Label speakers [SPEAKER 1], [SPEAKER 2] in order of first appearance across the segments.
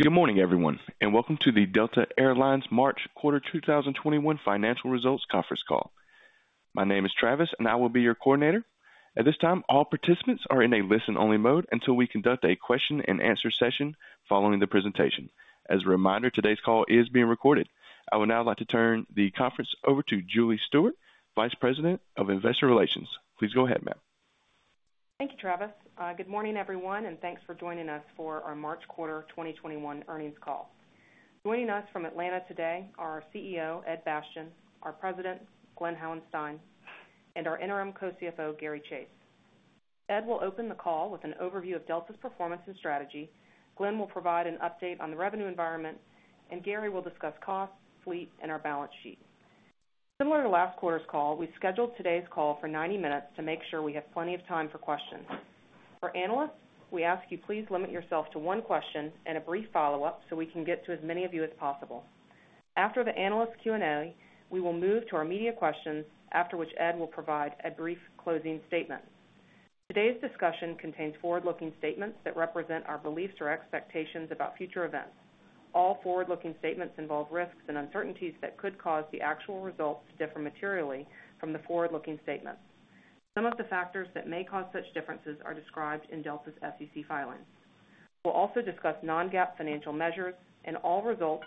[SPEAKER 1] Good morning, everyone, and welcome to the Delta Air Lines March Quarter 2021 Financial Results Conference Call. My name is Travis, and I will be your coordinator. At this time, all participants are in a listen-only mode until we conduct a question and answer session following the presentation. As a reminder, today's call is being recorded. I would now like to turn the conference over to Julie Stewart, Vice President of Investor Relations. Please go ahead, ma'am.
[SPEAKER 2] Thank you, Travis. Good morning, everyone, and thanks for joining us for our March Quarter 2021 earnings call. Joining us from Atlanta today are our CEO, Ed Bastian, our President, Glen Hauenstein, and our Interim Co-CFO, Gary Chase. Ed will open the call with an overview of Delta's performance and strategy. Glen will provide an update on the revenue environment, and Gary will discuss costs, fleet, and our balance sheet. Similar to last quarter's call, we scheduled today's call for 90 minutes to make sure we have plenty of time for questions. For analysts, we ask you please limit yourself to one question and a brief follow-up so we can get to as many of you as possible. After the analyst Q&A, we will move to our media questions, after which Ed will provide a brief closing statement. Today's discussion contains forward-looking statements that represent our beliefs or expectations about future events. All forward-looking statements involve risks and uncertainties that could cause the actual results to differ materially from the forward-looking statements. Some of the factors that may cause such differences are described in Delta's SEC filings. We'll also discuss non-GAAP financial measures, and all results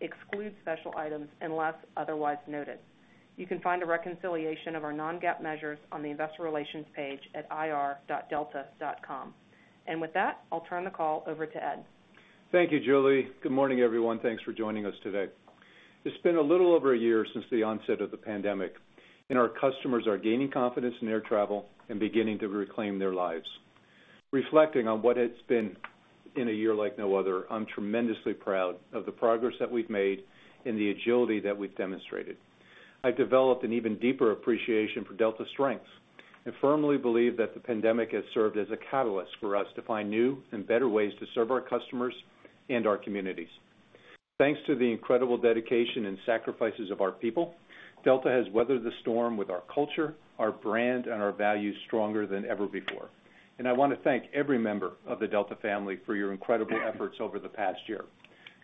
[SPEAKER 2] exclude special items unless otherwise noted. You can find a reconciliation of our non-GAAP measures on the investor relations page at ir.delta.com. With that, I'll turn the call over to Ed.
[SPEAKER 3] Thank you, Julie. Good morning, everyone. Thanks for joining us today. It's been a little over a year since the onset of the pandemic. Our customers are gaining confidence in air travel and beginning to reclaim their lives. Reflecting on what it's been in a year like no other, I'm tremendously proud of the progress that we've made and the agility that we've demonstrated. I've developed an even deeper appreciation for Delta's strengths and firmly believe that the pandemic has served as a catalyst for us to find new and better ways to serve our customers and our communities. Thanks to the incredible dedication and sacrifices of our people, Delta has weathered the storm with our culture, our brand, and our values stronger than ever before. I want to thank every member of the Delta family for your incredible efforts over the past year.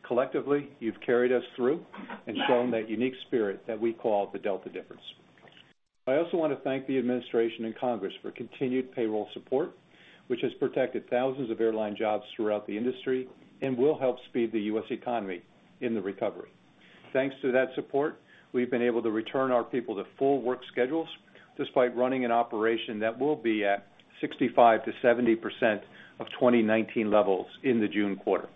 [SPEAKER 3] Collectively, you've carried us through and shown that unique spirit that we call the Delta difference. I also want to thank the administration and Congress for continued payroll support, which has protected thousands of airline jobs throughout the industry and will help speed the U.S. economy in the recovery. Thanks to that support, we've been able to return our people to full work schedules, despite running an operation that will be at 65%-70% of 2019 levels in the June quarter.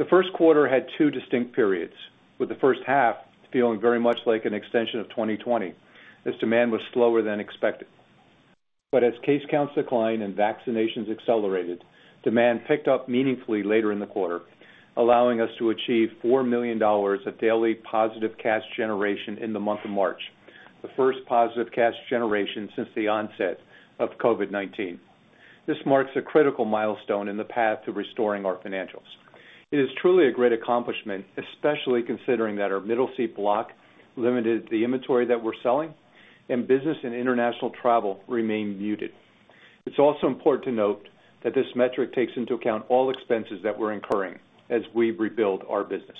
[SPEAKER 3] The first quarter had two distinct periods, with the first half feeling very much like an extension of 2020, as demand was slower than expected. As case counts declined and vaccinations accelerated, demand picked up meaningfully later in the quarter, allowing us to achieve $4 million of daily positive cash generation in the month of March, the first positive cash generation since the onset of COVID-19. This marks a critical milestone in the path to restoring our financials. It is truly a great accomplishment, especially considering that our middle seat block limited the inventory that we're selling and business and international travel remain muted. It's also important to note that this metric takes into account all expenses that we're incurring as we rebuild our business.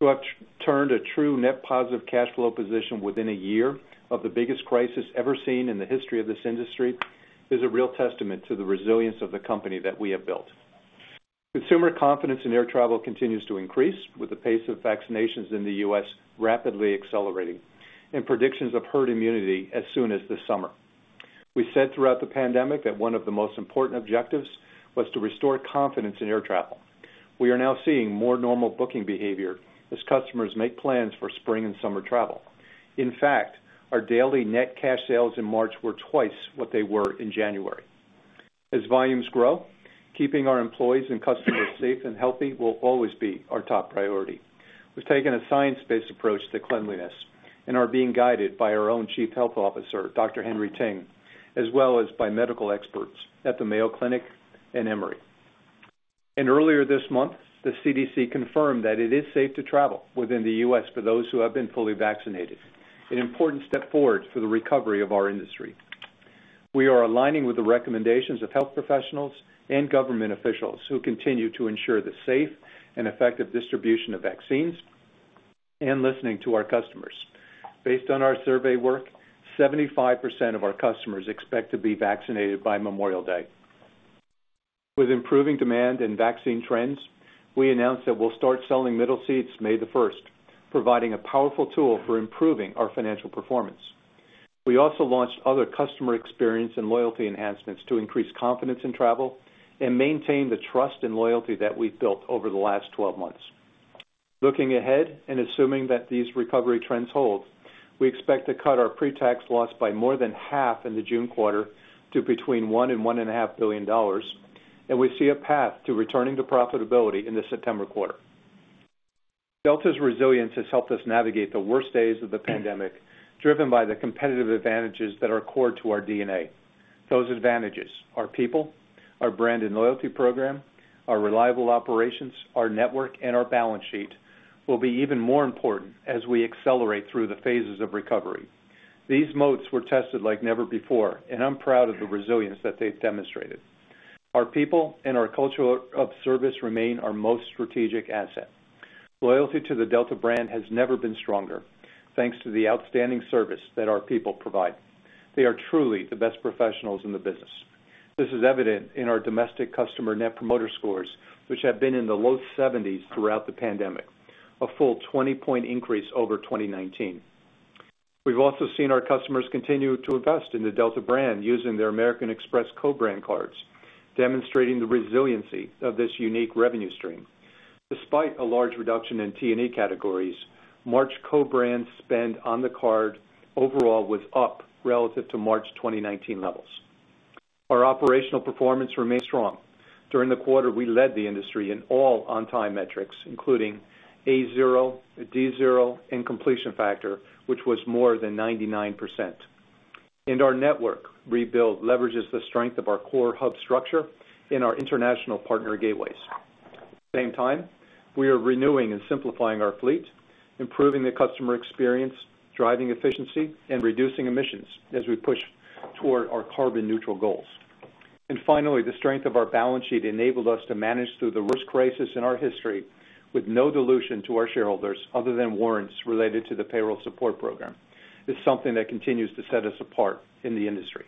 [SPEAKER 3] To have turned a true net positive cash flow position within a year of the biggest crisis ever seen in the history of this industry is a real testament to the resilience of the company that we have built. Consumer confidence in air travel continues to increase, with the pace of vaccinations in the U.S. rapidly accelerating and predictions of herd immunity as soon as this summer. We said throughout the pandemic that one of the most important objectives was to restore confidence in air travel. We are now seeing more normal booking behavior as customers make plans for spring and summer travel. Our daily net cash sales in March were twice what they were in January. As volumes grow, keeping our employees and customers safe and healthy will always be our top priority. We've taken a science-based approach to cleanliness and are being guided by our own Chief Health Officer, Dr. Henry Ting, as well as by medical experts at the Mayo Clinic and Emory. Earlier this month, the CDC confirmed that it is safe to travel within the U.S. for those who have been fully vaccinated, an important step forward for the recovery of our industry. We are aligning with the recommendations of health professionals and government officials who continue to ensure the safe and effective distribution of vaccines and listening to our customers. Based on our survey work, 75% of our customers expect to be vaccinated by Memorial Day. With improving demand and vaccine trends, we announced that we'll start selling middle seats May 1st, providing a powerful tool for improving our financial performance. We also launched other customer experience and loyalty enhancements to increase confidence in travel and maintain the trust and loyalty that we've built over the last 12 months. Assuming that these recovery trends hold, we expect to cut our pre-tax loss by more than half in the June quarter to between $1 and $1.5 billion. We see a path to returning to profitability in the September quarter. Delta's resilience has helped us navigate the worst days of the pandemic, driven by the competitive advantages that are core to our DNA. Those advantages, our people, our brand and loyalty program, our reliable operations, our network, and our balance sheet will be even more important as we accelerate through the phases of recovery. These moats were tested like never before, and I'm proud of the resilience that they've demonstrated. Our people and our culture of service remain our most strategic asset. Loyalty to the Delta brand has never been stronger, thanks to the outstanding service that our people provide. They are truly the best professionals in the business. This is evident in our domestic customer net promoter scores, which have been in the low 70s throughout the pandemic. A full 20-point increase over 2019. We've also seen our customers continue to invest in the Delta brand using their American Express co-brand cards, demonstrating the resiliency of this unique revenue stream. Despite a large reduction in T&E categories, March co-brand spend on the card overall was up relative to March 2019 levels. Our operational performance remained strong. During the quarter, we led the industry in all on-time metrics, including A0, D0, and completion factor, which was more than 99%. Our network rebuild leverages the strength of our core hub structure in our international partner gateways. At the same time, we are renewing and simplifying our fleet, improving the customer experience, driving efficiency, and reducing emissions as we push toward our carbon neutral goals. Finally, the strength of our balance sheet enabled us to manage through the worst crisis in our history with no dilution to our shareholders, other than warrants related to the Payroll Support Program. It's something that continues to set us apart in the industry.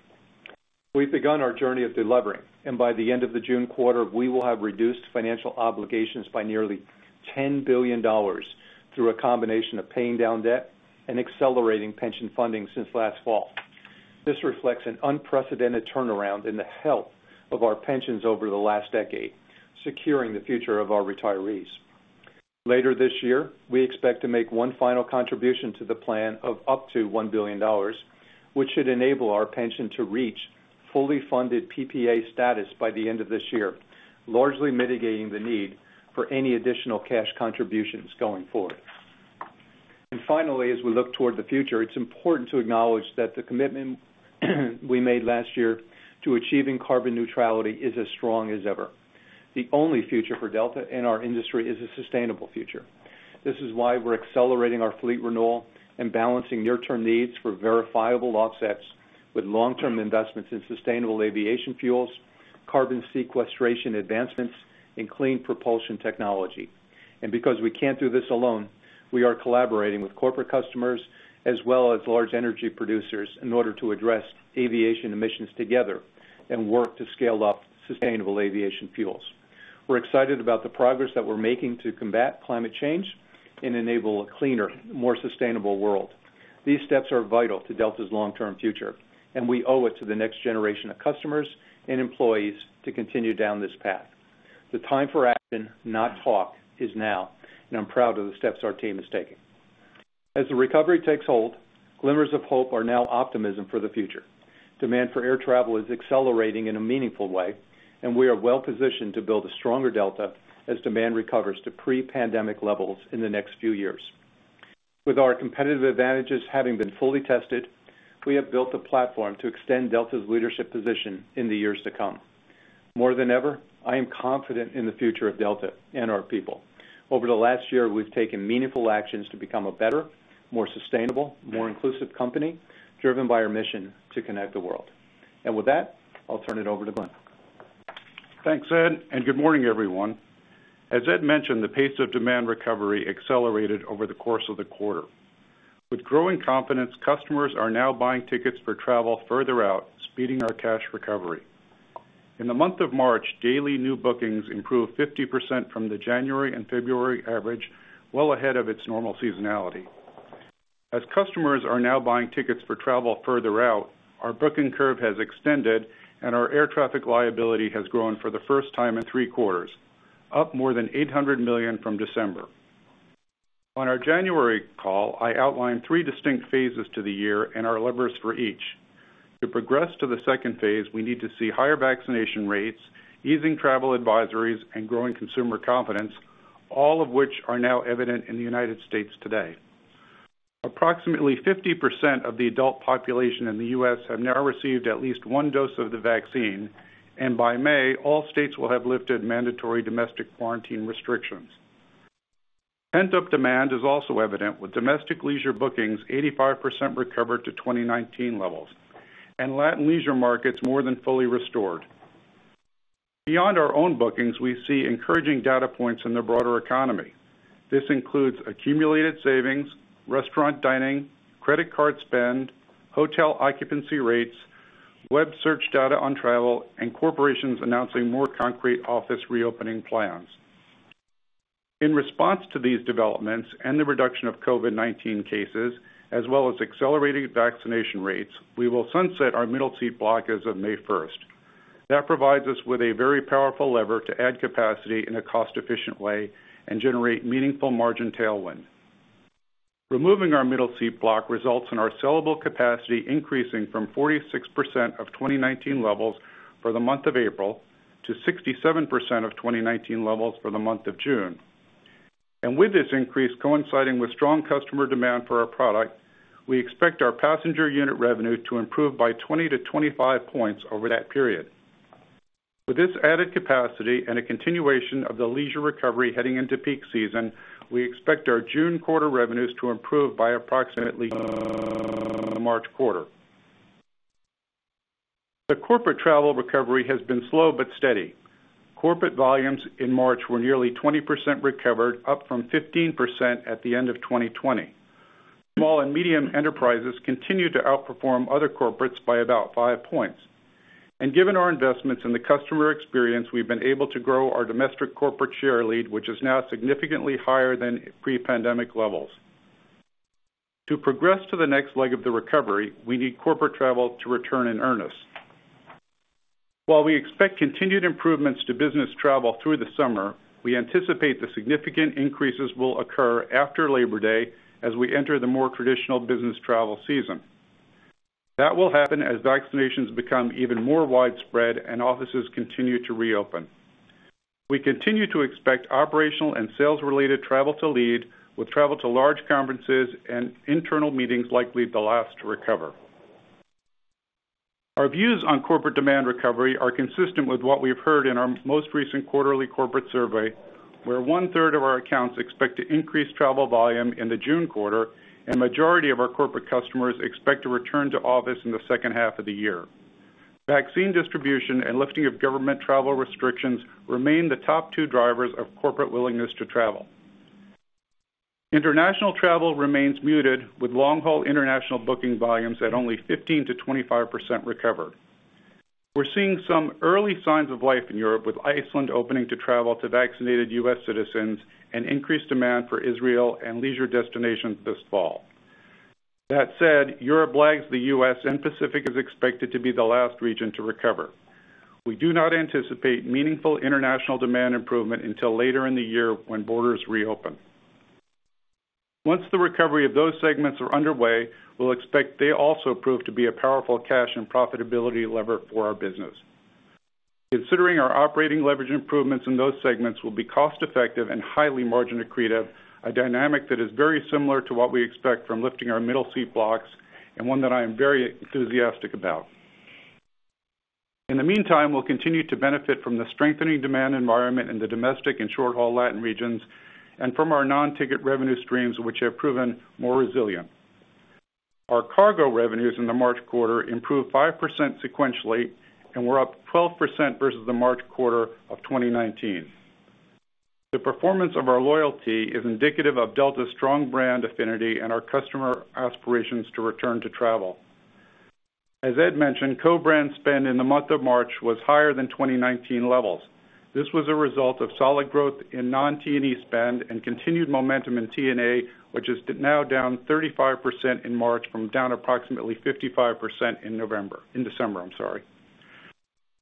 [SPEAKER 3] We've begun our journey of de-levering, and by the end of the June quarter, we will have reduced financial obligations by nearly $10 billion through a combination of paying down debt and accelerating pension funding since last fall. This reflects an unprecedented turnaround in the health of our pensions over the last decade, securing the future of our retirees. Later this year, we expect to make one final contribution to the plan of up to $1 billion, which should enable our pension to reach fully funded PPA status by the end of this year, largely mitigating the need for any additional cash contributions going forward. Finally, as we look toward the future, it's important to acknowledge that the commitment we made last year to achieving carbon neutrality is as strong as ever. The only future for Delta and our industry is a sustainable future. This is why we're accelerating our fleet renewal and balancing near-term needs for verifiable offsets with long-term investments in sustainable aviation fuels, carbon sequestration advancements, and clean propulsion technology. Because we can't do this alone, we are collaborating with corporate customers as well as large energy producers in order to address aviation emissions together and work to scale up sustainable aviation fuels. We're excited about the progress that we're making to combat climate change and enable a cleaner, more sustainable world. These steps are vital to Delta's long-term future, and we owe it to the next generation of customers and employees to continue down this path. The time for action, not talk, is now, and I'm proud of the steps our team is taking. As the recovery takes hold, glimmers of hope are now optimism for the future. Demand for air travel is accelerating in a meaningful way, and we are well-positioned to build a stronger Delta as demand recovers to pre-pandemic levels in the next few years. With our competitive advantages having been fully tested, we have built the platform to extend Delta's leadership position in the years to come. More than ever, I am confident in the future of Delta and our people. Over the last year, we've taken meaningful actions to become a better, more sustainable, more inclusive company, driven by our mission to connect the world. With that, I'll turn it over to Glen.
[SPEAKER 4] Thanks, Ed, and good morning, everyone. As Ed mentioned, the pace of demand recovery accelerated over the course of the quarter. With growing confidence, customers are now buying tickets for travel further out, speeding our cash recovery. In the month of March, daily new bookings improved 50% from the January and February average, well ahead of its normal seasonality. As customers are now buying tickets for travel further out, our booking curve has extended, and our air traffic liability has grown for the first time in three quarters, up more than $800 million from December. On our January call, I outlined three distinct phases to the year and our levers for each. To progress to the second phase, we need to see higher vaccination rates, easing travel advisories, and growing consumer confidence, all of which are now evident in the United States today. Approximately 50% of the adult population in the U.S. have now received at least one dose of the vaccine, and by May, all states will have lifted mandatory domestic quarantine restrictions. Pent-up demand is also evident with domestic leisure bookings 85% recovered to 2019 levels, and Latin leisure markets more than fully restored. Beyond our own bookings, we see encouraging data points in the broader economy. This includes accumulated savings, restaurant dining, credit card spend, hotel occupancy rates, web search data on travel, and corporations announcing more concrete office reopening plans. In response to these developments and the reduction of COVID-19 cases, as well as accelerating vaccination rates, we will sunset our middle seat block as of May 1st. That provides us with a very powerful lever to add capacity in a cost-efficient way and generate meaningful margin tailwind. Removing our middle seat block results in our sellable capacity increasing from 46% of 2019 levels for the month of April to 67% of 2019 levels for the month of June. With this increase coinciding with strong customer demand for our product, we expect our passenger unit revenue to improve by 20-25 points over that period. With this added capacity and a continuation of the leisure recovery heading into peak season, we expect our June quarter revenues to improve by approximately the March quarter. The corporate travel recovery has been slow but steady. Corporate volumes in March were nearly 20% recovered, up from 15% at the end of 2020. Small and medium enterprises continue to outperform other corporates by about five points. Given our investments in the customer experience, we've been able to grow our domestic corporate share lead, which is now significantly higher than pre-pandemic levels. To progress to the next leg of the recovery, we need corporate travel to return in earnest. While we expect continued improvements to business travel through the summer, we anticipate the significant increases will occur after Labor Day as we enter the more traditional business travel season. That will happen as vaccinations become even more widespread and offices continue to reopen. We continue to expect operational and sales-related travel to lead, with travel to large conferences and internal meetings likely the last to recover. Our views on corporate demand recovery are consistent with what we have heard in our most recent quarterly corporate survey, where one-third of our accounts expect to increase travel volume in the June quarter, and majority of our corporate customers expect to return to office in the second half of the year. Vaccine distribution and lifting of government travel restrictions remain the top two drivers of corporate willingness to travel. International travel remains muted, with long-haul international booking volumes at only 15%-25% recovered. We're seeing some early signs of life in Europe, with Iceland opening to travel to vaccinated U.S. citizens and increased demand for Israel and leisure destinations this fall. That said, Europe lags the U.S., and Pacific is expected to be the last region to recover. We do not anticipate meaningful international demand improvement until later in the year when borders reopen. Once the recovery of those segments are underway, we'll expect they also prove to be a powerful cash and profitability lever for our business. Considering our operating leverage improvements in those segments will be cost-effective and highly margin accretive, a dynamic that is very similar to what we expect from lifting our middle seat blocks, and one that I am very enthusiastic about. In the meantime, we'll continue to benefit from the strengthening demand environment in the domestic and short-haul Latin regions and from our non-ticket revenue streams, which have proven more resilient. Our cargo revenues in the March quarter improved 5% sequentially and were up 12% versus the March quarter of 2019. The performance of our loyalty is indicative of Delta's strong brand affinity and our customer aspirations to return to travel. As Ed mentioned, co-brand spend in the month of March was higher than 2019 levels. This was a result of solid growth in non-T&E spend and continued momentum in T&E, which is now down 35% in March, from down approximately 55% in December, I'm sorry.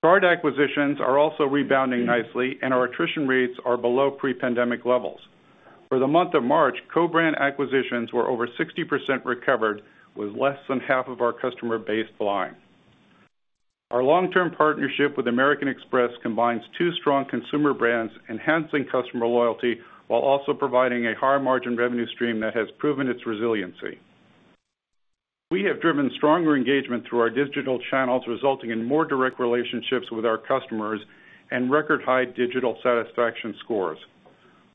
[SPEAKER 4] Card acquisitions are also rebounding nicely, and our attrition rates are below pre-pandemic levels. For the month of March, co-brand acquisitions were over 60% recovered, with less than half of our customer base flying. Our long-term partnership with American Express combines two strong consumer brands, enhancing customer loyalty while also providing a higher margin revenue stream that has proven its resiliency. We have driven stronger engagement through our digital channels, resulting in more direct relationships with our customers and record high digital satisfaction scores.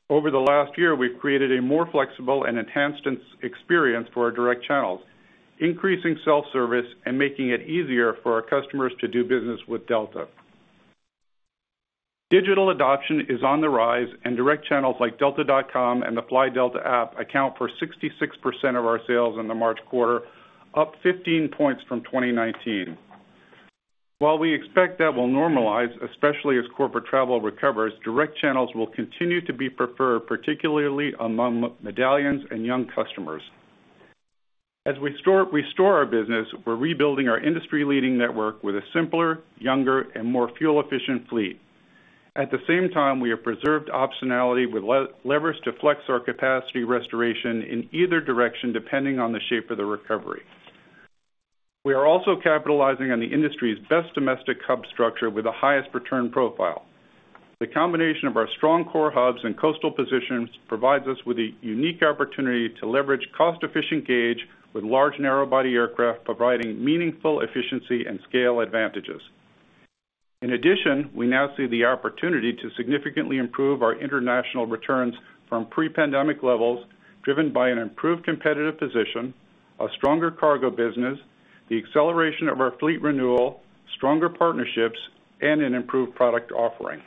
[SPEAKER 4] Over the last year, we've created a more flexible and enhanced experience for our direct channels, increasing self-service and making it easier for our customers to do business with Delta. Digital adoption is on the rise. Direct channels like delta.com and the Fly Delta app account for 66% of our sales in the March quarter, up 15 points from 2019. While we expect that will normalize, especially as corporate travel recovers, direct channels will continue to be preferred, particularly among Medallion and young customers. As we restore our business, we're rebuilding our industry-leading network with a simpler, younger, and more fuel-efficient fleet. At the same time, we have preserved optionality with levers to flex our capacity restoration in either direction, depending on the shape of the recovery. We are also capitalizing on the industry's best domestic hub structure with the highest return profile. The combination of our strong core hubs and coastal positions provides us with a unique opportunity to leverage cost-efficient gauge with large narrow-body aircraft, providing meaningful efficiency and scale advantages. In addition, we now see the opportunity to significantly improve our international returns from pre-pandemic levels, driven by an improved competitive position, a stronger cargo business, the acceleration of our fleet renewal, stronger partnerships, and an improved product offering.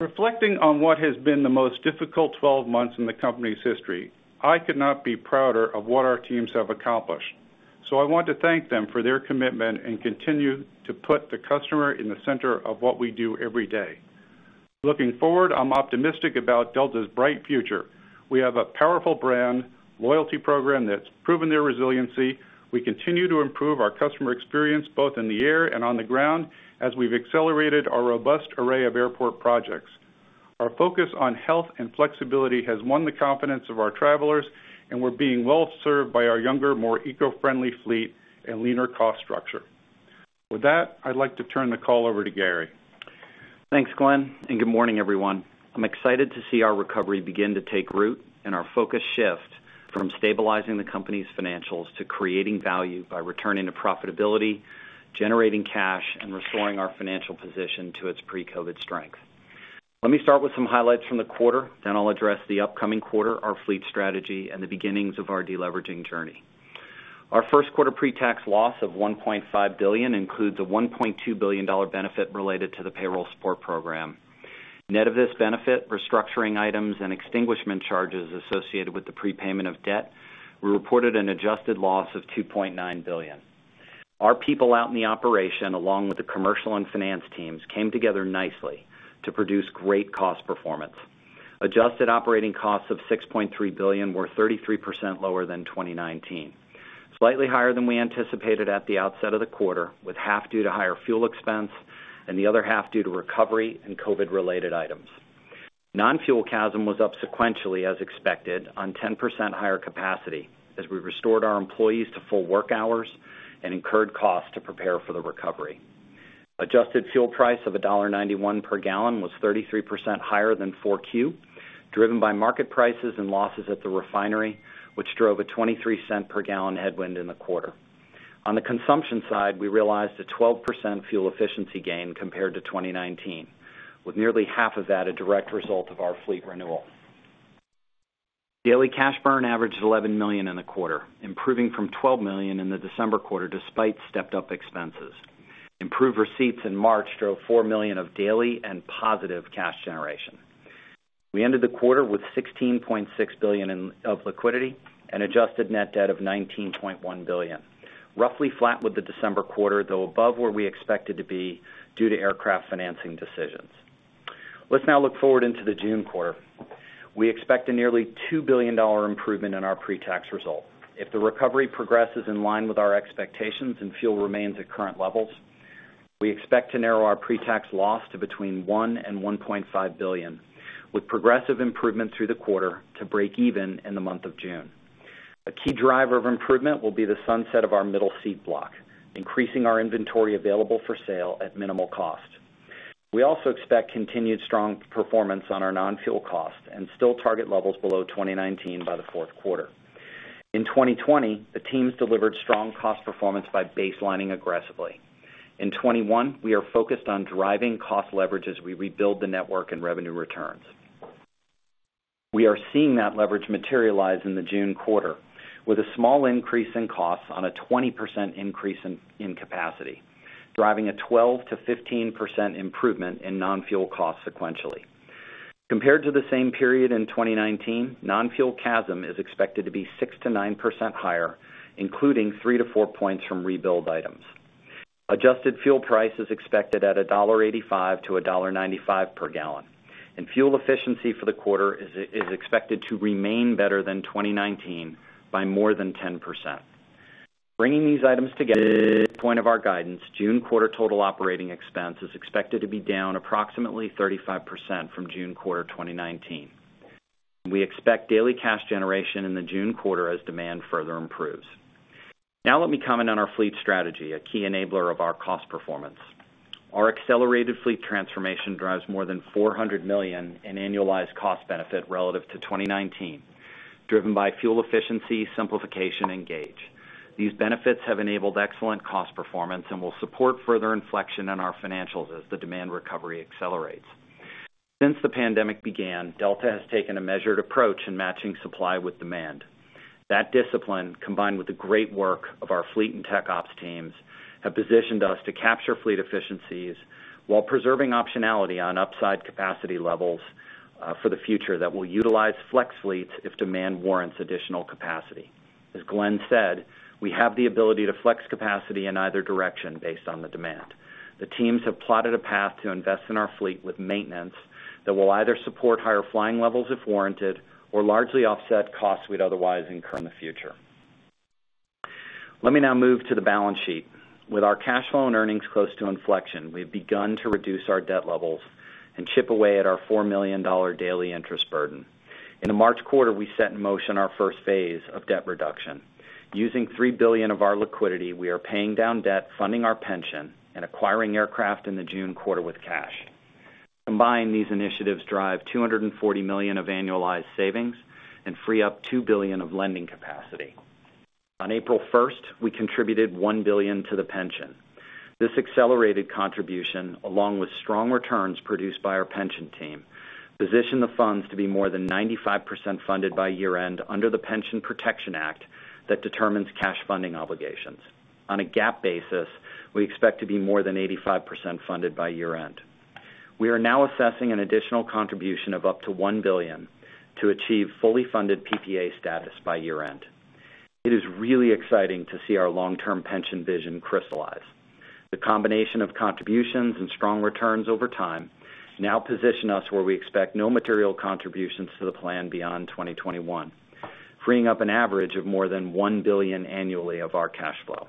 [SPEAKER 4] Reflecting on what has been the most difficult 12 months in the company's history, I could not be prouder of what our teams have accomplished. I want to thank them for their commitment and continue to put the customer in the center of what we do every day. Looking forward, I'm optimistic about Delta's bright future. We have a powerful brand, loyalty program that's proven their resiliency. We continue to improve our customer experience, both in the air and on the ground, as we've accelerated our robust array of airport projects. Our focus on health and flexibility has won the confidence of our travelers. We're being well served by our younger, more eco-friendly fleet and leaner cost structure. With that, I'd like to turn the call over to Gary.
[SPEAKER 5] Thanks, Glen. Good morning, everyone. I'm excited to see our recovery begin to take root and our focus shift from stabilizing the company's financials to creating value by returning to profitability, generating cash, and restoring our financial position to its pre-COVID strength. Let me start with some highlights from the quarter. I'll address the upcoming quarter, our fleet strategy, and the beginnings of our de-leveraging journey. Our first quarter pre-tax loss of $1.5 billion includes a $1.2 billion benefit related to the Payroll Support Program. Net of this benefit, restructuring items and extinguishment charges associated with the prepayment of debt, we reported an adjusted loss of $2.9 billion. Our people out in the operation, along with the commercial and finance teams, came together nicely to produce great cost performance. Adjusted operating costs of $6.3 billion were 33% lower than 2019, slightly higher than we anticipated at the outset of the quarter, with half due to higher fuel expense and the other half due to recovery and COVID-related items. Non-fuel CASM was up sequentially as expected on 10% higher capacity as we restored our employees to full work hours and incurred costs to prepare for the recovery. Adjusted fuel price of $1.91 per gallon was 33% higher than 4Q, driven by market prices and losses at the refinery, which drove a $0.23 per gallon headwind in the quarter. On the consumption side, we realized a 12% fuel efficiency gain compared to 2019, with nearly half of that a direct result of our fleet renewal. Daily cash burn averaged $11 million in the quarter, improving from $12 million in the December quarter, despite stepped-up expenses. Improved receipts in March drove $4 million of daily and positive cash generation. We ended the quarter with $16.6 billion of liquidity and adjusted net debt of $19.1 billion, roughly flat with the December quarter, though above where we expected to be due to aircraft financing decisions. Let's now look forward into the June quarter. We expect a nearly $2 billion improvement in our pre-tax result. If the recovery progresses in line with our expectations and fuel remains at current levels, we expect to narrow our pre-tax loss to between $1 billion and $1.5 billion, with progressive improvement through the quarter to break even in the month of June. A key driver of improvement will be the sunset of our middle seat block, increasing our inventory available for sale at minimal cost. We also expect continued strong performance on our non-fuel costs and still target levels below 2019 by the fourth quarter. In 2020, the teams delivered strong cost performance by baselining aggressively. In 2021, we are focused on driving cost leverage as we rebuild the network and revenue returns. We are seeing that leverage materialize in the June quarter with a small increase in costs on a 20% increase in capacity, driving a 12%-15% improvement in non-fuel costs sequentially. Compared to the same period in 2019, non-fuel CASM is expected to be 6%-9% higher, including three to four points from rebuild items. Adjusted fuel price is expected at $1.85-$1.95 per gallon, and fuel efficiency for the quarter is expected to remain better than 2019 by more than 10%. Bringing these items together to the midpoint of our guidance, June quarter total operating expense is expected to be down approximately 35% from June quarter 2019. We expect daily cash generation in the June quarter as demand further improves. Let me comment on our fleet strategy, a key enabler of our cost performance. Our accelerated fleet transformation drives more than $400 million in annualized cost benefit relative to 2019, driven by fuel efficiency, simplification, and gauge. These benefits have enabled excellent cost performance and will support further inflection in our financials as the demand recovery accelerates. Since the pandemic began, Delta has taken a measured approach in matching supply with demand. That discipline, combined with the great work of our fleet and TechOps teams, have positioned us to capture fleet efficiencies while preserving optionality on upside capacity levels for the future that will utilize flex fleets if demand warrants additional capacity. As Glen said, we have the ability to flex capacity in either direction based on the demand. The teams have plotted a path to invest in our fleet with maintenance that will either support higher flying levels if warranted or largely offset costs we'd otherwise incur in the future. Let me now move to the balance sheet. With our cash flow and earnings close to inflection, we've begun to reduce our debt levels and chip away at our $4 million daily interest burden. In the March quarter, we set in motion our first phase of debt reduction. Using $3 billion of our liquidity, we are paying down debt, funding our pension, and acquiring aircraft in the June quarter with cash. Combined, these initiatives drive $240 million of annualized savings and free up $2 billion of lending capacity. On April 1st, we contributed $1 billion to the pension. This accelerated contribution, along with strong returns produced by our pension team, position the funds to be more than 95% funded by year-end under the Pension Protection Act that determines cash funding obligations. On a GAAP basis, we expect to be more than 85% funded by year-end. We are now assessing an additional contribution of up to $1 billion to achieve fully funded PPA status by year-end. It is really exciting to see our long-term pension vision crystallize. The combination of contributions and strong returns over time now position us where we expect no material contributions to the plan beyond 2021, freeing up an average of more than $1 billion annually of our cash flow.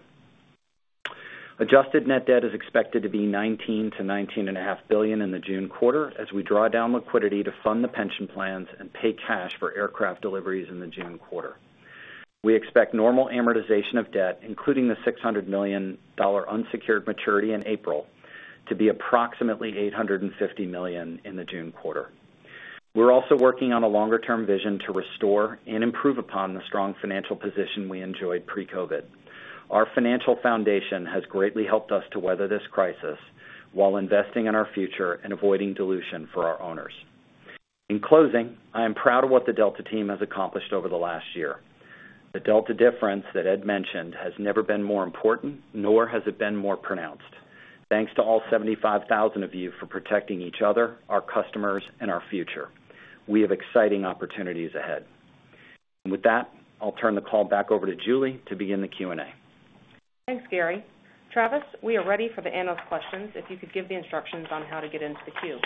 [SPEAKER 5] Adjusted net debt is expected to be $19 billion-$19.5 billion in the June quarter as we draw down liquidity to fund the pension plans and pay cash for aircraft deliveries in the June quarter. We expect normal amortization of debt, including the $600 million unsecured maturity in April, to be approximately $850 million in the June quarter. We're also working on a longer-term vision to restore and improve upon the strong financial position we enjoyed pre-COVID. Our financial foundation has greatly helped us to weather this crisis while investing in our future and avoiding dilution for our owners. In closing, I am proud of what the Delta team has accomplished over the last year. The Delta difference that Ed mentioned has never been more important, nor has it been more pronounced. Thanks to all 75,000 of you for protecting each other, our customers, and our future. We have exciting opportunities ahead. With that, I'll turn the call back over to Julie to begin the Q&A.
[SPEAKER 2] Thanks, Gary. Travis, we are ready for the analyst questions, if you could give the instructions on how to get into the queue.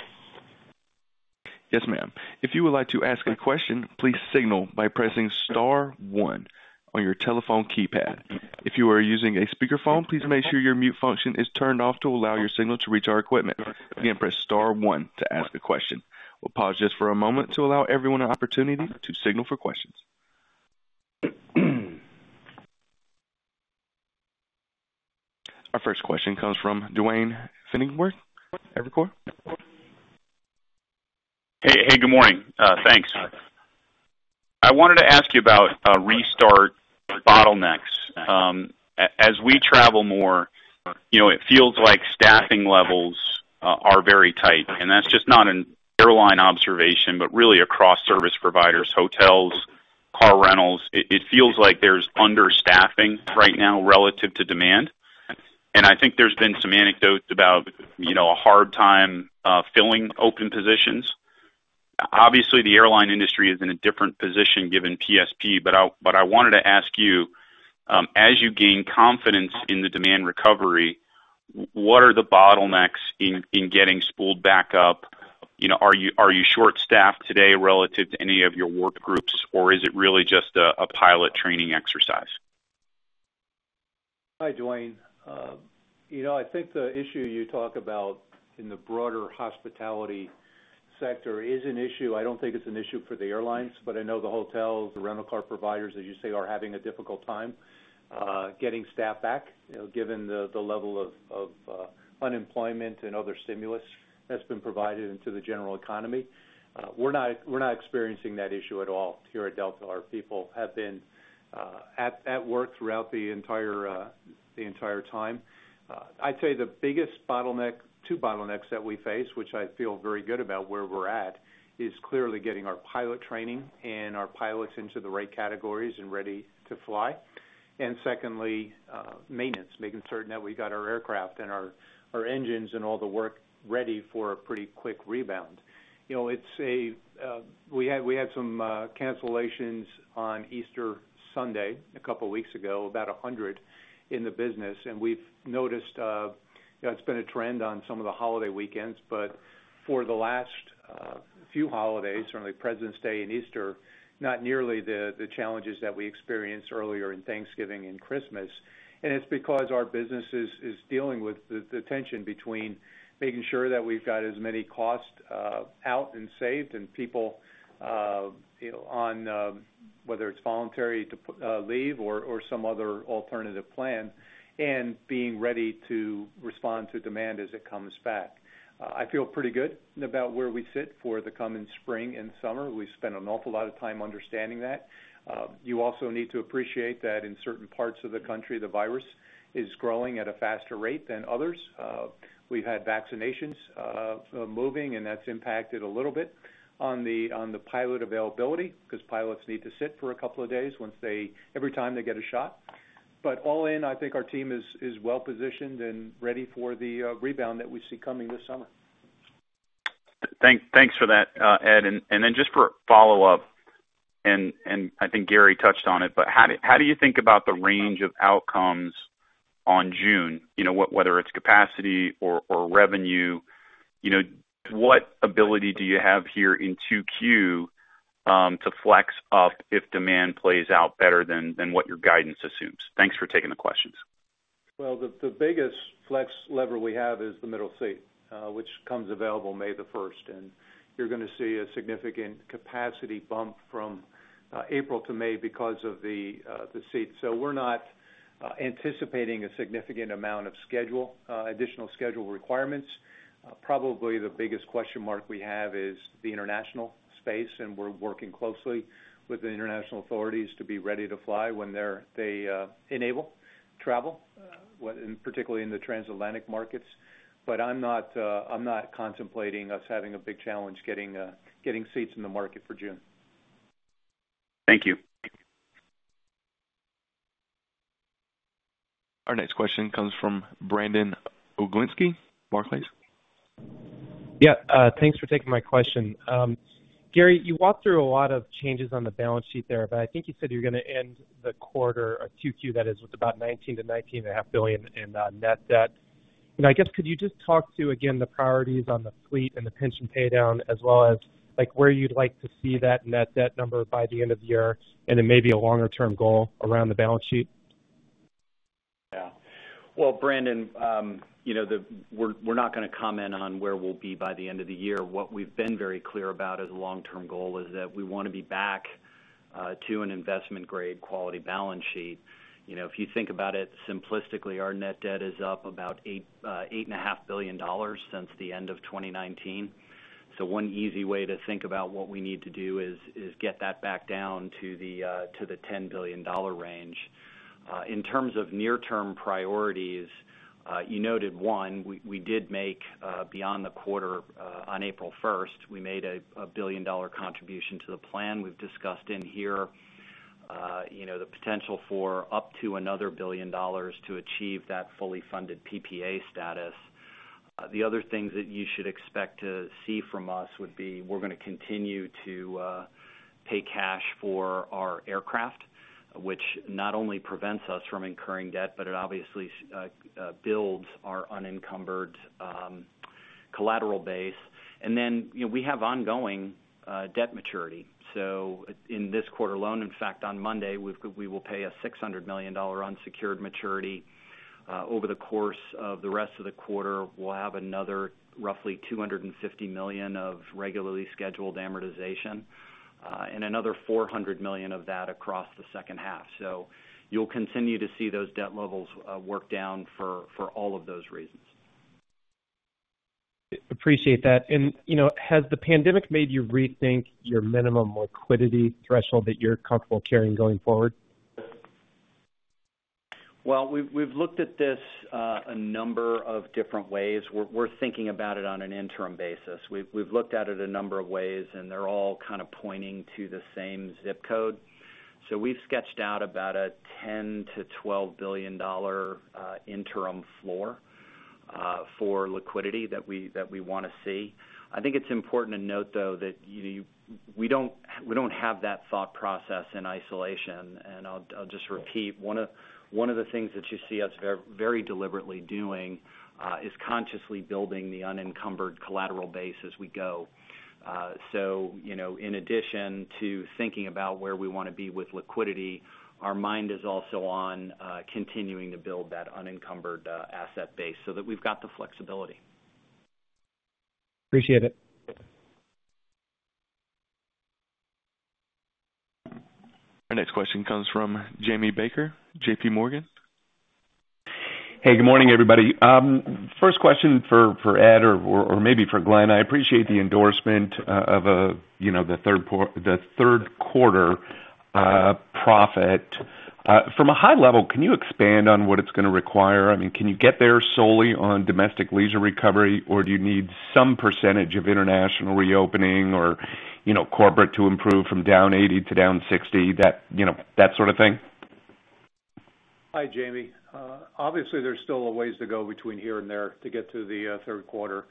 [SPEAKER 1] Yes, ma'am. If you would like to ask a question, please signal by pressing star one on your telephone keypad. If you are using a speakerphone, please make sure your mute function is turned off to allow your signal to reach our equipment. Again, press star one to ask a question. We'll pause just for a moment to allow everyone an opportunity to signal for questions. Our first question comes from Duane Pfennigwerth, Evercore.
[SPEAKER 6] Hey. Good morning. Thanks. I wanted to ask you about restart bottlenecks. As we travel more, it feels like staffing levels are very tight, and that's just not an airline observation, but really across service providers, hotels, car rentals. It feels like there's understaffing right now relative to demand, and I think there's been some anecdotes about a hard time filling open positions. Obviously, the airline industry is in a different position given PSP, but I wanted to ask you, as you gain confidence in the demand recovery, what are the bottlenecks in getting spooled back up? Are you short-staffed today relative to any of your workgroups, or is it really just a pilot training exercise?
[SPEAKER 3] Hi, Duane. I think the issue you talk about in the broader hospitality sector is an issue. I don't think it's an issue for the airlines. I know the hotels, the rental car providers, as you say, are having a difficult time getting staff back, given the level of unemployment and other stimulus that's been provided into the general economy. We're not experiencing that issue at all here at Delta. Our people have been at work throughout the entire time. I'd say the biggest two bottlenecks that we face, which I feel very good about where we're at, is clearly getting our pilot training and our pilots into the right categories and ready to fly, and secondly, maintenance, making certain that we got our aircraft and our engines and all the work ready for a pretty quick rebound. We had some cancellations on Easter Sunday a couple of weeks ago, about 100 in the business. We've noticed it's been a trend on some of the holiday weekends. For the last few holidays, certainly President's Day and Easter, not nearly the challenges that we experienced earlier in Thanksgiving and Christmas. It's because our business is dealing with the tension between making sure that we've got as many costs out and saved and people, whether it's voluntary to leave or some other alternative plan, and being ready to respond to demand as it comes back. I feel pretty good about where we sit for the coming spring and summer. We've spent an awful lot of time understanding that. You also need to appreciate that in certain parts of the country, the virus is growing at a faster rate than others. We've had vaccinations moving. That's impacted a little bit on the pilot availability because pilots need to sit for a couple of days every time they get a shot. All in, I think our team is well-positioned and ready for the rebound that we see coming this summer.
[SPEAKER 6] Thanks for that, Ed. Just for a follow-up, and I think Gary touched on it. How do you think about the range of outcomes on June? Whether it's capacity or revenue, what ability do you have here in 2Q to flex up if demand plays out better than what your guidance assumes? Thanks for taking the questions.
[SPEAKER 3] Well, the biggest flex lever we have is the middle seat, which comes available May the 1st. You're going to see a significant capacity bump from April to May because of the seat. We're not anticipating a significant amount of additional schedule requirements. Probably the biggest question mark we have is the international space, and we're working closely with the international authorities to be ready to fly when they enable travel, particularly in the transatlantic markets. I'm not contemplating us having a big challenge getting seats in the market for June.
[SPEAKER 6] Thank you.
[SPEAKER 1] Our next question comes from Brandon Oglenski, Barclays.
[SPEAKER 7] Yeah. Thanks for taking my question. Gary, you walked through a lot of changes on the balance sheet there, I think you said you're going to end the quarter, 2Q that is, with about $19 billion-$19.5 billion in net debt. I guess, could you just talk to, again, the priorities on the fleet and the pension paydown as well as where you'd like to see that net debt number by the end of the year, and then maybe a longer-term goal around the balance sheet?
[SPEAKER 5] Well, Brandon, we're not going to comment on where we'll be by the end of the year. We've been very clear about as a long-term goal is that we want to be back to an investment-grade quality balance sheet. If you think about it simplistically, our net debt is up about $8.5 billion since the end of 2019. One easy way to think about what we need to do is get that back down to the $10 billion range. In terms of near-term priorities, you noted one, we did make, beyond the quarter, on April 1st, we made a billion-dollar contribution to the plan. We've discussed in here the potential for up to another billion dollars to achieve that fully funded PPA status. The other things that you should expect to see from us would be, we're going to continue to pay cash for our aircraft, which not only prevents us from incurring debt, but it obviously builds our unencumbered collateral base. Then, we have ongoing debt maturity. In this quarter alone, in fact, on Monday, we will pay a $600 million unsecured maturity. Over the course of the rest of the quarter, we'll have another roughly $250 million of regularly scheduled amortization, and another $400 million of that across the second half. You'll continue to see those debt levels work down for all of those reasons.
[SPEAKER 7] Appreciate that. Has the pandemic made you rethink your minimum liquidity threshold that you're comfortable carrying going forward?
[SPEAKER 5] Well, we've looked at this a number of different ways. We're thinking about it on an interim basis. We've looked at it a number of ways, and they're all kind of pointing to the same zip code. We've sketched out about a $10 billion-$12 billion interim floor for liquidity that we want to see. I think it's important to note, though, that we don't have that thought process in isolation, and I'll just repeat, one of the things that you see us very deliberately doing is consciously building the unencumbered collateral base as we go. In addition to thinking about where we want to be with liquidity, our mind is also on continuing to build that unencumbered asset base so that we've got the flexibility.
[SPEAKER 7] Appreciate it.
[SPEAKER 1] Our next question comes from Jamie Baker, J.P. Morgan.
[SPEAKER 8] Hey, good morning, everybody. First question for Ed or maybe for Glen. I appreciate the endorsement of the third quarter profit. From a high level, can you expand on what it's going to require? Can you get there solely on domestic leisure recovery, or do you need some % of international reopening or corporate to improve from down 80% to down 60%, that sort of thing?
[SPEAKER 3] Hi, Jamie. Obviously, there's still a ways to go between here and there to get to the third quarter.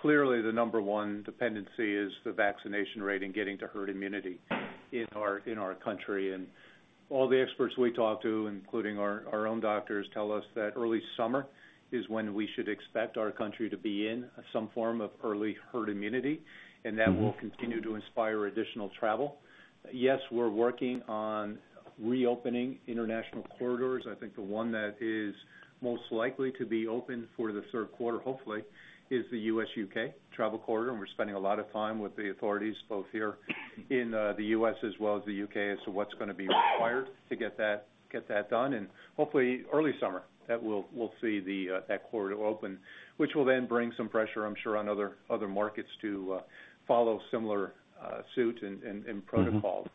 [SPEAKER 3] Clearly, the number 1 dependency is the vaccination rate and getting to herd immunity in our country. All the experts we talk to, including our own doctors, tell us that early summer is when we should expect our country to be in some form of early herd immunity, and that will continue to inspire additional travel. Yes, we're working on reopening international corridors. I think the one that is most likely to be open for the third quarter, hopefully, is the U.S.-U.K. travel corridor, and we're spending a lot of time with the authorities both here in the U.S. as well as the U.K. as to what's going to be required to get that done and hopefully early summer that we'll see that corridor open, which will then bring some pressure, I'm sure, on other markets to follow similar suit and protocols.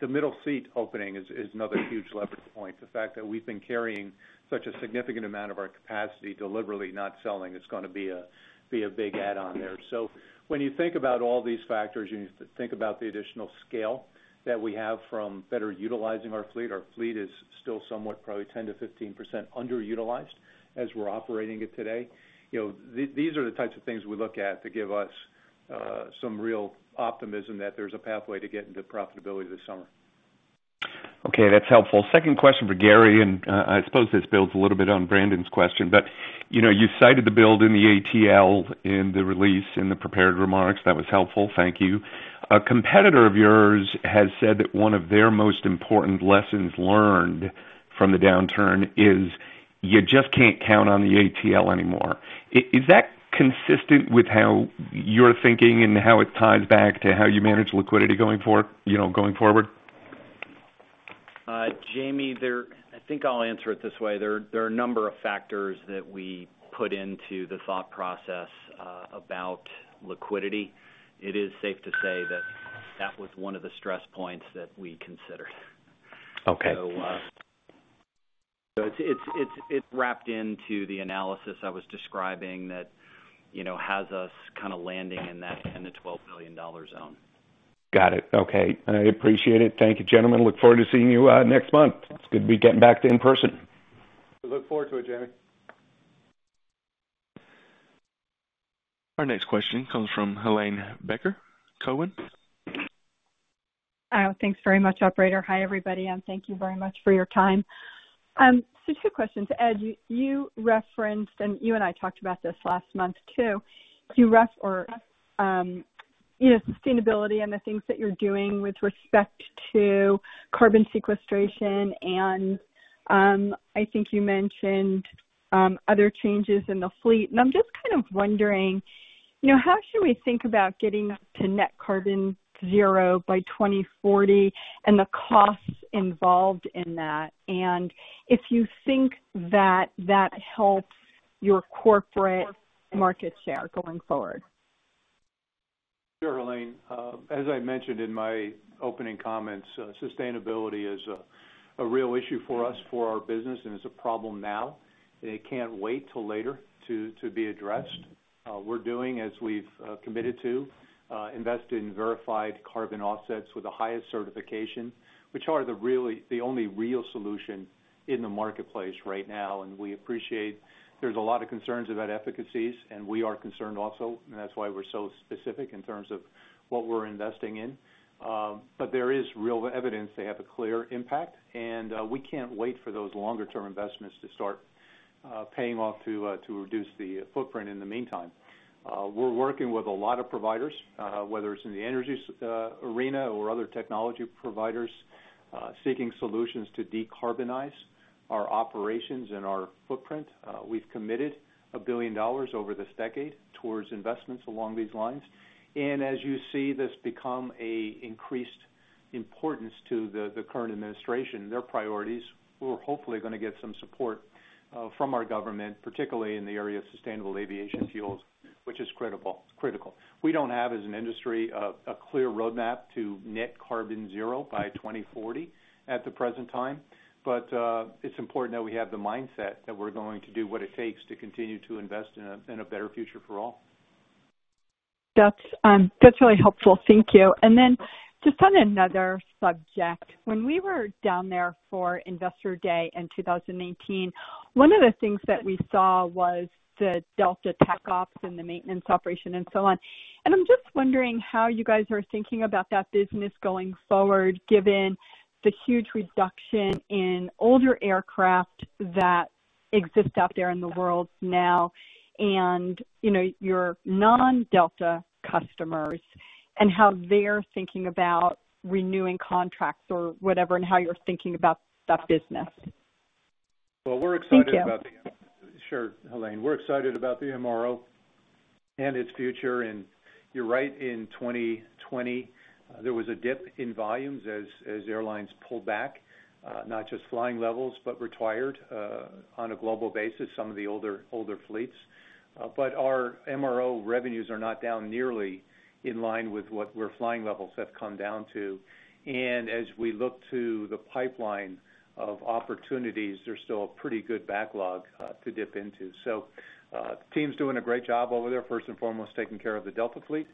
[SPEAKER 3] The middle seat opening is another huge leverage point. The fact that we've been carrying such a significant amount of our capacity deliberately not selling is going to be a big add-on there. When you think about all these factors, you need to think about the additional scale that we have from better utilizing our fleet. Our fleet is still somewhat probably 10% to 15% underutilized as we're operating it today. These are the types of things we look at that give us some real optimism that there's a pathway to get into profitability this summer.
[SPEAKER 8] Okay. That's helpful. Second question for Gary, and I suppose this builds a little bit on Brandon's question, but you cited the build in the ATL in the release in the prepared remarks. That was helpful. Thank you. A competitor of yours has said that one of their most important lessons learned from the downturn is you just can't count on the ATL anymore. Is that consistent with how you're thinking and how it ties back to how you manage liquidity going forward?
[SPEAKER 5] Jamie, I think I'll answer it this way. There are a number of factors that we put into the thought process about liquidity. It is safe to say that that was one of the stress points that we considered.
[SPEAKER 8] Okay.
[SPEAKER 5] It's wrapped into the analysis I was describing that has us kind of landing in the $12 billion zone.
[SPEAKER 8] Got it. Okay. I appreciate it. Thank you, gentlemen. Look forward to seeing you next month. It's good to be getting back to in-person.
[SPEAKER 3] We look forward to it, Jamie.
[SPEAKER 1] Our next question comes from Helane Becker, Cowen.
[SPEAKER 9] Thanks very much, operator. Hi, everybody, and thank you very much for your time. Two questions. Ed, you referenced, and you and I talked about this last month too. Sustainability and the things that you're doing with respect to carbon sequestration, and I think you mentioned other changes in the fleet. I'm just kind of wondering, how should we think about getting to net carbon zero by 2040, and the costs involved in that? If you think that helps your corporate market share going forward?
[SPEAKER 3] Sure, Helane. As I mentioned in my opening comments, sustainability is a real issue for us, for our business. It's a problem now. It can't wait till later to be addressed. We're doing, as we've committed to, invest in verified carbon offsets with the highest certification, which are the only real solution in the marketplace right now. We appreciate there's a lot of concerns about efficacies, and we are concerned also, and that's why we're so specific in terms of what we're investing in. There is real evidence they have a clear impact, and we can't wait for those longer-term investments to start paying off to reduce the footprint in the meantime. We're working with a lot of providers, whether it's in the energies arena or other technology providers, seeking solutions to decarbonize our operations and our footprint. We've committed $1 billion over this decade towards investments along these lines. As you see this become an increased importance to the current administration, their priorities, we're hopefully going to get some support from our government, particularly in the area of sustainable aviation fuels, which is critical. We don't have, as an industry, a clear roadmap to net carbon zero by 2040 at the present time. It's important that we have the mindset that we're going to do what it takes to continue to invest in a better future for all.
[SPEAKER 9] That's really helpful. Thank you. Just on another subject, when we were down there for Investor Day in 2019, one of the things that we saw was the Delta TechOps and the maintenance operation and so on. I'm just wondering how you guys are thinking about that business going forward, given the huge reduction in older aircraft that exist out there in the world now, and your non-Delta customers, and how they're thinking about renewing contracts or whatever, and how you're thinking about that business.
[SPEAKER 3] Well, we're excited about.
[SPEAKER 9] Thank you.
[SPEAKER 3] Sure, Helane. We're excited about the MRO and its future. You're right, in 2020, there was a dip in volumes as airlines pulled back, not just flying levels, but retired, on a global basis, some of the older fleets. Our MRO revenues are not down nearly in line with what our flying levels have come down to. As we look to the pipeline of opportunities, there's still a pretty good backlog to dip into. The team's doing a great job over there, first and foremost, taking care of the Delta fleet,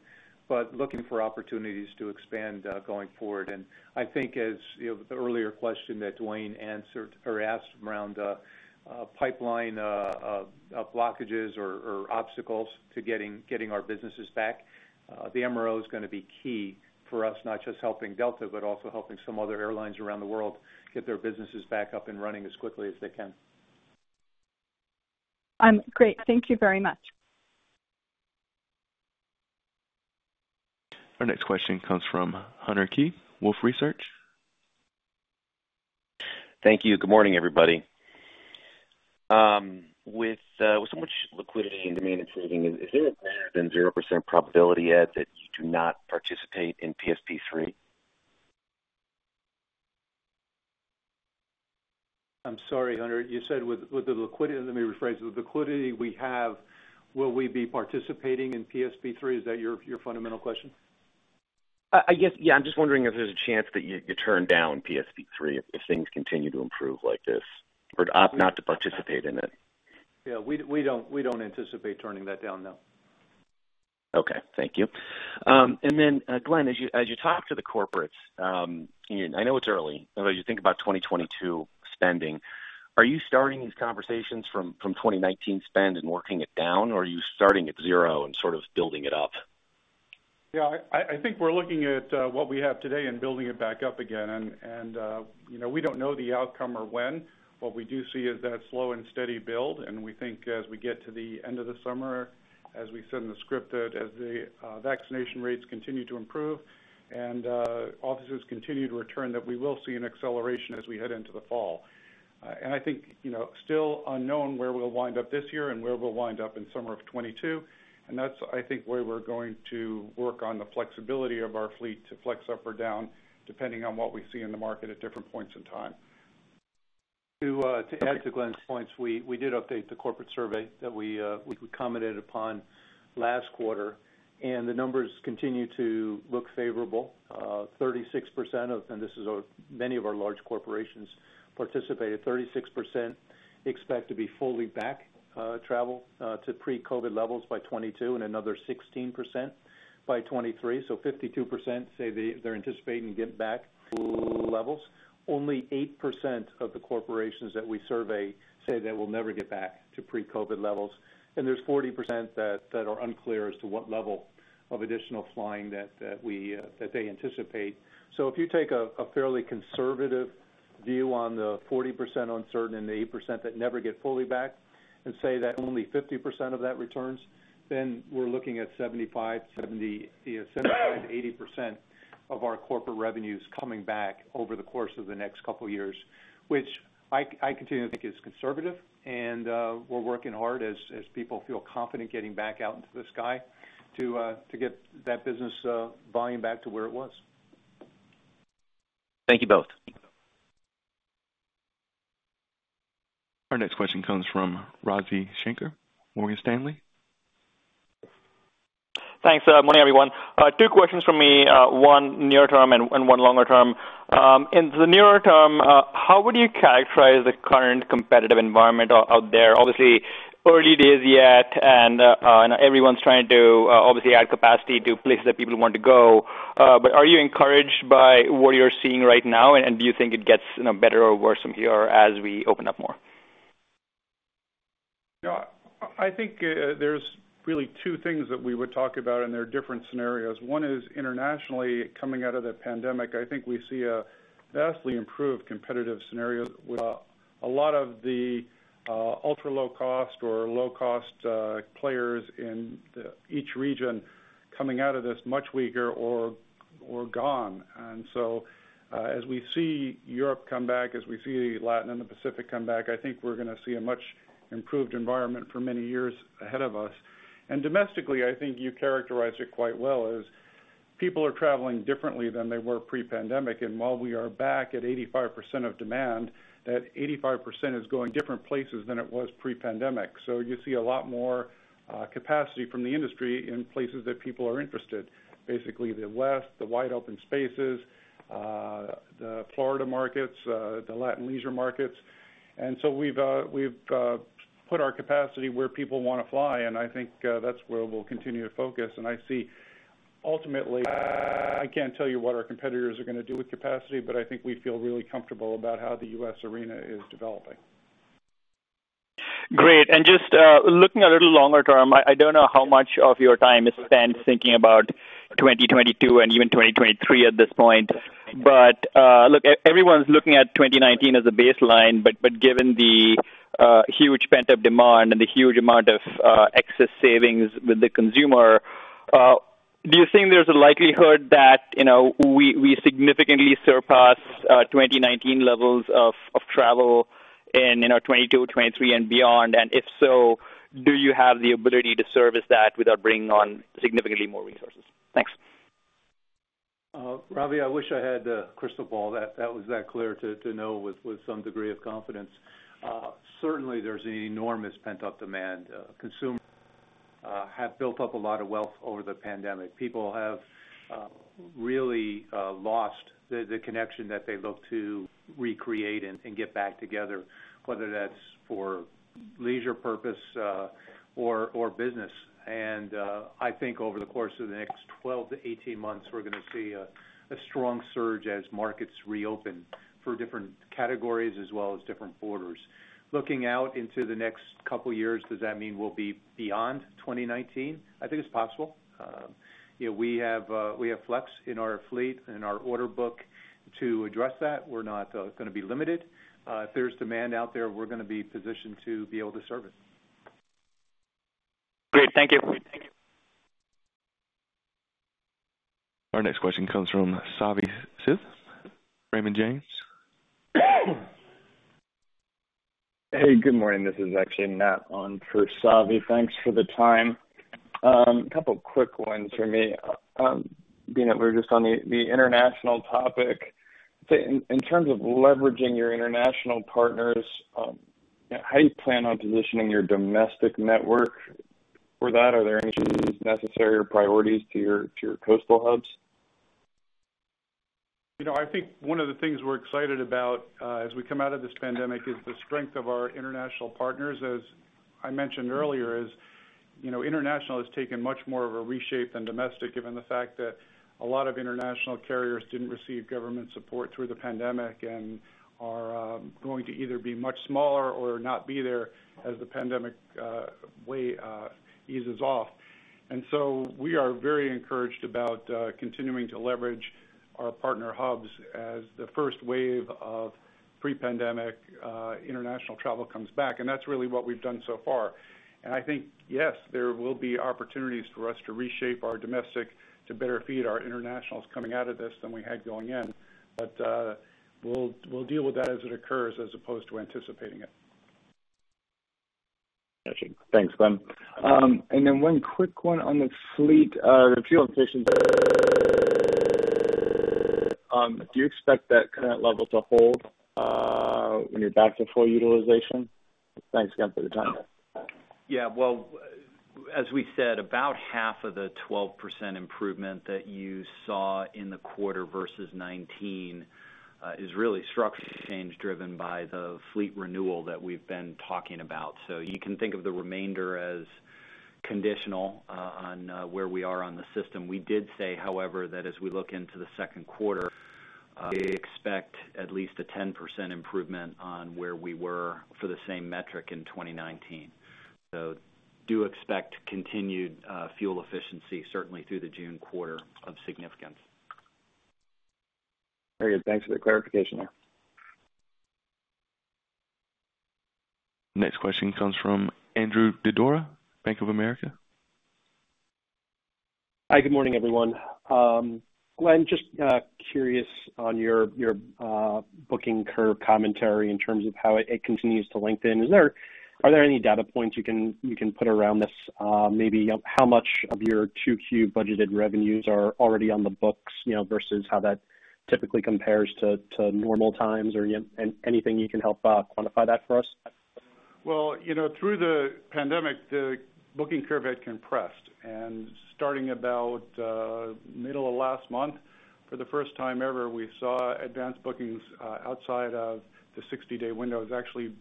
[SPEAKER 3] but looking for opportunities to expand going forward. I think as the earlier question that Duane asked around pipeline blockages or obstacles to getting our businesses back, the MRO is going to be key for us, not just helping Delta, but also helping some other airlines around the world get their businesses back up and running as quickly as they can.
[SPEAKER 9] Great. Thank you very much.
[SPEAKER 1] Our next question comes from Hunter Keay, Wolfe Research.
[SPEAKER 10] Thank you. Good morning, everybody. With so much liquidity and demand improving, is there a greater than 0% probability yet that you do not participate in PSP3?
[SPEAKER 3] I'm sorry, Hunter, you said with the liquidity. Let me rephrase. With the liquidity we have, will we be participating in PSP3? Is that your fundamental question?
[SPEAKER 10] I guess, yeah. I'm just wondering if there's a chance that you turn down PSP3 if things continue to improve like this, or to opt not to participate in it?
[SPEAKER 3] Yeah. We don't anticipate turning that down. No.
[SPEAKER 10] Okay. Thank you. Glen, as you talk to the corporates, I know it's early, as you think about 2022 spending, are you starting these conversations from 2019 spend and working it down, or are you starting at zero and sort of building it up?
[SPEAKER 4] Yeah. I think we're looking at what we have today and building it back up again. We don't know the outcome or when. What we do see is that slow and steady build, and we think as we get to the end of the summer, as we said in the script, that as the vaccination rates continue to improve and officers continue to return, that we will see an acceleration as we head into the fall. I think, still unknown where we'll wind up this year and where we'll wind up in summer of 2022, and that's, I think, where we're going to work on the flexibility of our fleet to flex up or down, depending on what we see in the market at different points in time.
[SPEAKER 3] To add to Glen's points, we did update the corporate survey that we commented upon last quarter. The numbers continue to look favorable. 36%, and this is many of our large corporations participated, 36% expect to be fully back travel to pre-COVID levels by 2022. Another 16% by 2023. 52% say they're anticipating getting back to pre-COVID levels. Only 8% of the corporations that we survey say they will never get back to pre-COVID levels. There's 40% that are unclear as to what level of additional flying that they anticipate. If you take a fairly conservative. View on the 40% uncertain and the 8% that never get fully back and say that only 50% of that returns, then we're looking at 75%-80% of our corporate revenues coming back over the course of the next couple of years, which I continue to think is conservative. We're working hard as people feel confident getting back out into the sky to get that business volume back to where it was.
[SPEAKER 10] Thank you both.
[SPEAKER 1] Our next question comes from Ravi Shanker, Morgan Stanley.
[SPEAKER 11] Thanks. Good morning, everyone. Two questions from me, one near term and one longer term. In the nearer term, how would you characterize the current competitive environment out there? Obviously, early days yet, and everyone's trying to obviously add capacity to places that people want to go. Are you encouraged by what you're seeing right now? Do you think it gets better or worse from here as we open up more?
[SPEAKER 4] I think there's really two things that we would talk about, and they're different scenarios. One is internationally, coming out of the pandemic, I think we see a vastly improved competitive scenario with a lot of the ultra-low-cost or low-cost players in each region coming out of this much weaker or gone. As we see Europe come back, as we see Latin and the Pacific come back, I think we're going to see a much improved environment for many years ahead of us. Domestically, I think you characterized it quite well as people are traveling differently than they were pre-pandemic. While we are back at 85% of demand, that 85% is going different places than it was pre-pandemic. You see a lot more capacity from the industry in places that people are interested, basically the West, the wide open spaces, the Florida markets, the Latin leisure markets. We've put our capacity where people want to fly, and I think that's where we'll continue to focus. I see ultimately. I can't tell you what our competitors are going to do with capacity, but I think we feel really comfortable about how the U.S. arena is developing.
[SPEAKER 11] Great. Just looking a little longer term, I don't know how much of your time is spent thinking about 2022 and even 2023 at this point. Look, everyone's looking at 2019 as a baseline, but given the huge pent-up demand and the huge amount of excess savings with the consumer, do you think there's a likelihood that we significantly surpass 2019 levels of travel in 2022, 2023, and beyond? If so, do you have the ability to service that without bringing on significantly more resources? Thanks.
[SPEAKER 3] Ravi, I wish I had a crystal ball that was that clear to know with some degree of confidence. Certainly, there's enormous pent-up demand. Consumers have built up a lot of wealth over the pandemic. People have really lost the connection that they look to recreate and get back together, whether that's for leisure purpose or business. I think over the course of the next 12-18 months, we're going to see a strong surge as markets reopen for different categories as well as different borders. Looking out into the next couple of years, does that mean we'll be beyond 2019? I think it's possible. We have flex in our fleet and our order book to address that. We're not going to be limited. If there's demand out there, we're going to be positioned to be able to serve it.
[SPEAKER 11] Great. Thank you.
[SPEAKER 1] Our next question comes from Savanthi Syth, Raymond James.
[SPEAKER 12] Hey, good morning. This is actually Matt on for Savi. Thanks for the time. A couple quick ones from me. Being that we're just on the international topic, in terms of leveraging your international partners, how do you plan on positioning your domestic network for that? Are there any changes necessary or priorities to your coastal hubs?
[SPEAKER 4] I think one of the things we're excited about as we come out of this pandemic is the strength of our international partners. As I mentioned earlier, international has taken much more of a reshape than domestic, given the fact that a lot of international carriers didn't receive government support through the pandemic and are going to either be much smaller or not be there as the pandemic wave eases off. We are very encouraged about continuing to leverage our partner hubs as the first wave of pre-pandemic international travel comes back, and that's really what we've done so far. I think, yes, there will be opportunities for us to reshape our domestic to better feed our internationals coming out of this than we had going in. We'll deal with that as it occurs as opposed to anticipating it.
[SPEAKER 12] Got you. Thanks, Glen. Then one quick one on the fleet, the fuel efficiency. Do you expect that current level to hold when you're back to full utilization? Thanks again for the time.
[SPEAKER 5] Yeah. Well, as we said, about half of the 12% improvement that you saw in the quarter versus 2019 is really structure change driven by the fleet renewal that we've been talking about. You can think of the remainder as conditional on where we are on the system. We did say, however, that as we look into the second quarter, we expect at least a 10% improvement on where we were for the same metric in 2019. Do expect continued fuel efficiency, certainly through the June quarter of significance.
[SPEAKER 12] Very good. Thanks for the clarification there.
[SPEAKER 1] Next question comes from Andrew Didora, Bank of America.
[SPEAKER 13] Hi, good morning, everyone. Glen, just curious on your booking curve commentary in terms of how it continues to lengthen. Are there any data points you can put around this? Maybe how much of your 2Q budgeted revenues are already on the books, versus how that typically compares to normal times, and anything you can help quantify that for us?
[SPEAKER 4] Well, through the pandemic, the booking curve had compressed. Starting about middle of last month, for the first time ever, we saw advance bookings outside of the 60-day window is actually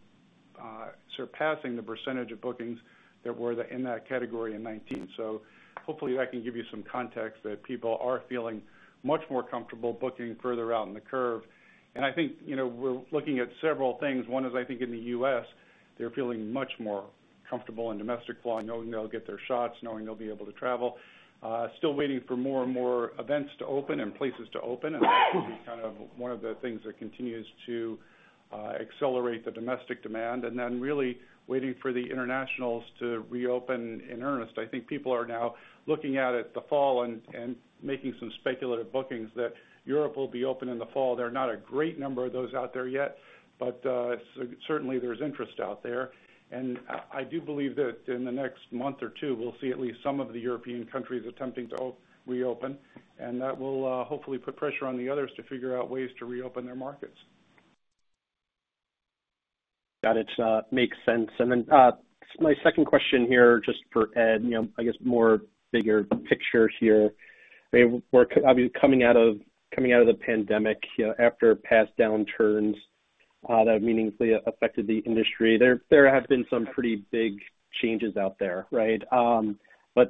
[SPEAKER 4] surpassing the percentage of bookings that were in that category in 2019. Hopefully that can give you some context that people are feeling much more comfortable booking further out in the curve. I think, we're looking at several things. One is, I think in the U.S., they're feeling much more comfortable in domestic flying, knowing they'll get their shots, knowing they'll be able to travel. Still waiting for more and more events to open and places to open, and that could be kind of one of the things that continues to accelerate the domestic demand. Then really waiting for the internationals to reopen in earnest. I think people are now looking out at the fall and making some speculative bookings that Europe will be open in the fall. There are not a great number of those out there yet, but certainly there's interest out there. I do believe that in the next month or two, we'll see at least some of the European countries attempting to reopen, and that will hopefully put pressure on the others to figure out ways to reopen their markets.
[SPEAKER 13] Got it. Makes sense. My second question here, just for Ed, I guess more bigger picture here. Coming out of the pandemic, after past downturns that meaningfully affected the industry, there have been some pretty big changes out there, right?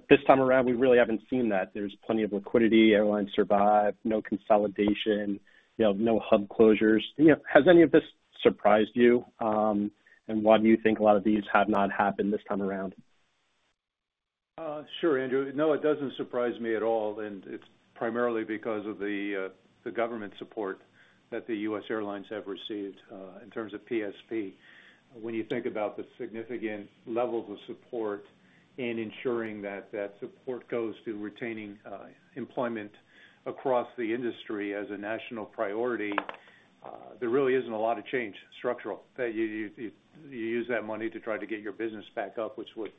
[SPEAKER 13] This time around, we really haven't seen that. There's plenty of liquidity. Airlines survived, no consolidation, no hub closures. Has any of this surprised you? Why do you think a lot of these have not happened this time around?
[SPEAKER 3] Sure, Andrew. It doesn't surprise me at all, and it's primarily because of the government support that the U.S. airlines have received in terms of PSP. When you think about the significant levels of support in ensuring that that support goes to retaining employment across the industry as a national priority, there really isn't a lot of change, structural. You use that money to try to get your business back up, which was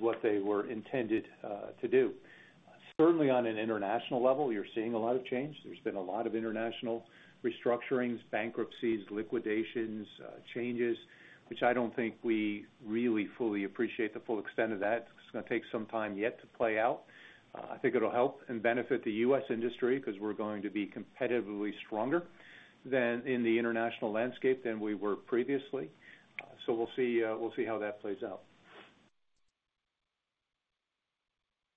[SPEAKER 3] what they were intended to do. Certainly, on an international level, you're seeing a lot of change. There's been a lot of international restructurings, bankruptcies, liquidations, changes, which I don't think we really fully appreciate the full extent of that. It's going to take some time yet to play out. I think it'll help and benefit the U.S. industry because we're going to be competitively stronger in the international landscape than we were previously. We'll see how that plays out.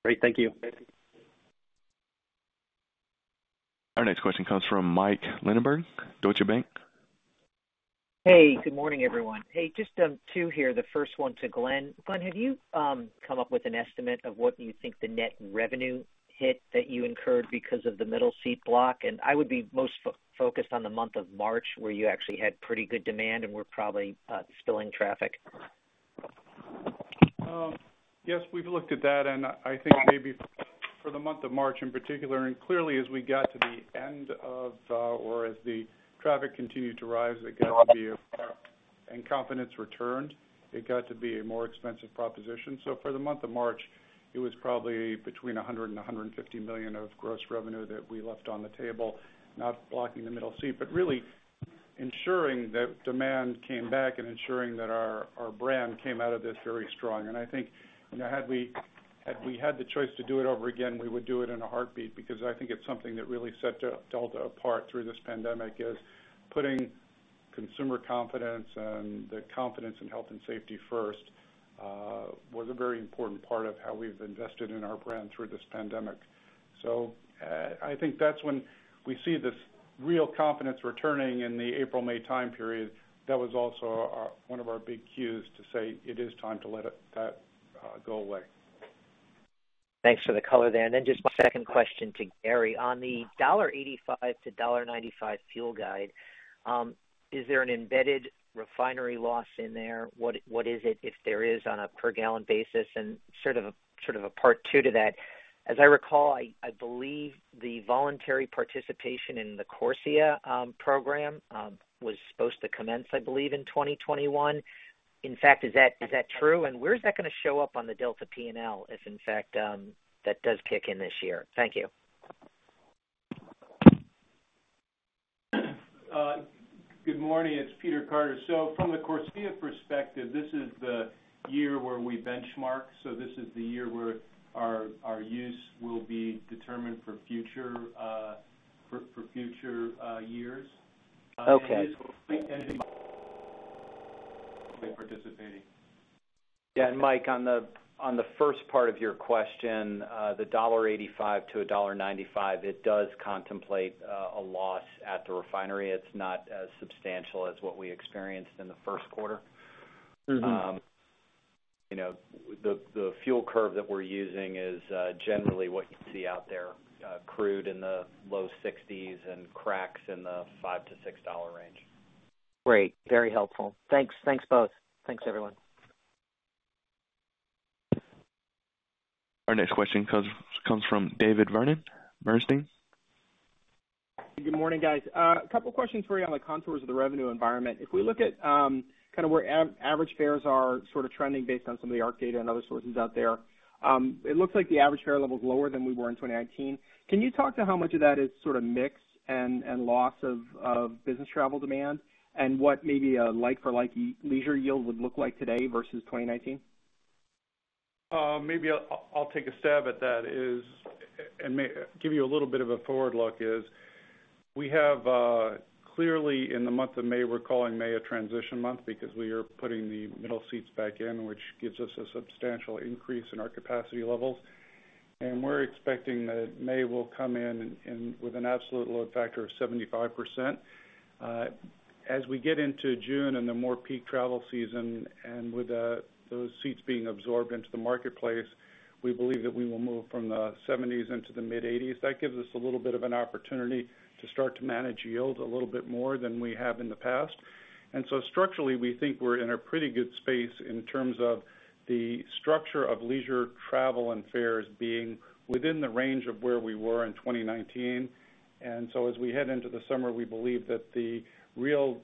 [SPEAKER 13] Great. Thank you.
[SPEAKER 1] Our next question comes from Mike Linenberg, Deutsche Bank.
[SPEAKER 14] Hey, good morning, everyone. Hey, just two here. The first one to Glen. Glen, have you come up with an estimate of what you think the net revenue hit that you incurred because of the middle seat block? I would be most focused on the month of March, where you actually had pretty good demand and were probably spilling traffic.
[SPEAKER 4] We've looked at that, and I think maybe for the month of March in particular, and clearly as we got to the end of, or as the traffic continued to rise, and confidence returned, it got to be a more expensive proposition. For the month of March, it was probably between $100 million and $150 million of gross revenue that we left on the table, not blocking the middle seat, but really ensuring that demand came back and ensuring that our brand came out of this very strong. I think, had we had the choice to do it over again, we would do it in a heartbeat because I think it's something that really set Delta apart through this pandemic, is putting consumer confidence and the confidence in health and safety first, was a very important part of how we've invested in our brand through this pandemic. I think that's when we see this real confidence returning in the April-May time period. That was also one of our big cues to say it is time to let that go away.
[SPEAKER 14] Thanks for the color there. Then just my second question to Gary. On the $1.85-$1.95 fuel guide, is there an embedded refinery loss in there? What is it, if there is, on a per-gallon basis? Sort of a part two to that. As I recall, I believe the voluntary participation in the CORSIA program was supposed to commence, I believe, in 2021. In fact, is that true? Where is that going to show up on the Delta P&L, if in fact that does kick in this year? Thank you.
[SPEAKER 15] Good morning. It's Peter Carter. From the CORSIA perspective, this is the year where we benchmark. This is the year where our use will be determined for future years.
[SPEAKER 14] Okay.
[SPEAKER 15] Yes, we're actively participating.
[SPEAKER 5] Yeah. Mike, on the first part of your question, the $1.85-$1.95, it does contemplate a loss at the refinery. It's not as substantial as what we experienced in the first quarter. The fuel curve that we're using is generally what you see out there, crude in the low 60s and cracks in the $5-$6 range.
[SPEAKER 14] Great. Very helpful. Thanks. Thanks both. Thanks everyone.
[SPEAKER 1] Our next question comes from David Vernon, Bernstein.
[SPEAKER 16] Good morning, guys. A couple questions for you on the contours of the revenue environment. If we look at kind of where average fares are sort of trending based on some of the ARC data and other sources out there, it looks like the average fare level is lower than we were in 2019. Can you talk to how much of that is sort of mix and loss of business travel demand and what maybe a like for like leisure yield would look like today versus 2019?
[SPEAKER 4] Maybe I'll take a stab at that and give you a little bit of a forward look is. We have clearly in the month of May, we're calling May a transition month because we are putting the middle seats back in, which gives us a substantial increase in our capacity levels. We're expecting that May will come in with an absolute load factor of 75%. As we get into June and the more peak travel season, and with those seats being absorbed into the marketplace, we believe that we will move from the 70s into the mid-80s. That gives us a little bit of an opportunity to start to manage yield a little bit more than we have in the past. Structurally, we think we're in a pretty good space in terms of the structure of leisure travel and fares being within the range of where we were in 2019. As we head into the summer, we believe that the real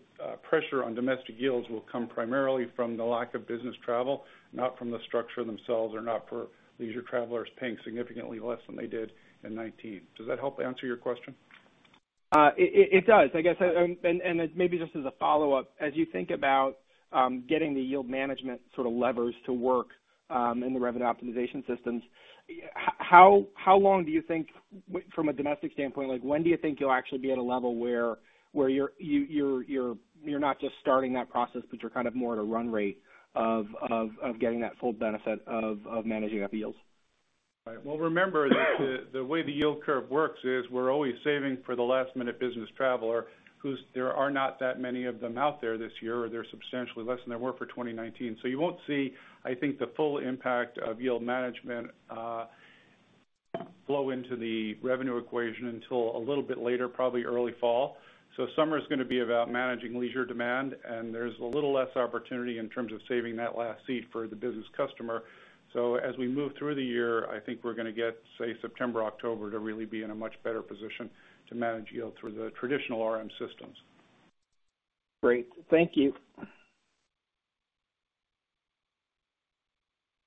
[SPEAKER 4] pressure on domestic yields will come primarily from the lack of business travel, not from the structure themselves, or not for leisure travelers paying significantly less than they did in 2019. Does that help answer your question?
[SPEAKER 16] It does. I guess, maybe just as a follow-up, as you think about getting the yield management sort of levers to work in the revenue optimization systems, how long do you think from a domestic standpoint, like when do you think you'll actually be at a level where you're not just starting that process, but you're kind of more at a run rate of getting that full benefit of managing FEs?
[SPEAKER 4] Right. Well, remember that the way the yield curve works is we're always saving for the last-minute business traveler, who there are not that many of them out there this year, or they're substantially less than there were for 2019. You won't see, I think, the full impact of yield management flow into the revenue equation until a little bit later, probably early fall. Summer's going to be about managing leisure demand, and there's a little less opportunity in terms of saving that last seat for the business customer. As we move through the year, I think we're going to get, say, September, October, to really be in a much better position to manage yield through the traditional RM systems.
[SPEAKER 16] Great. Thank you.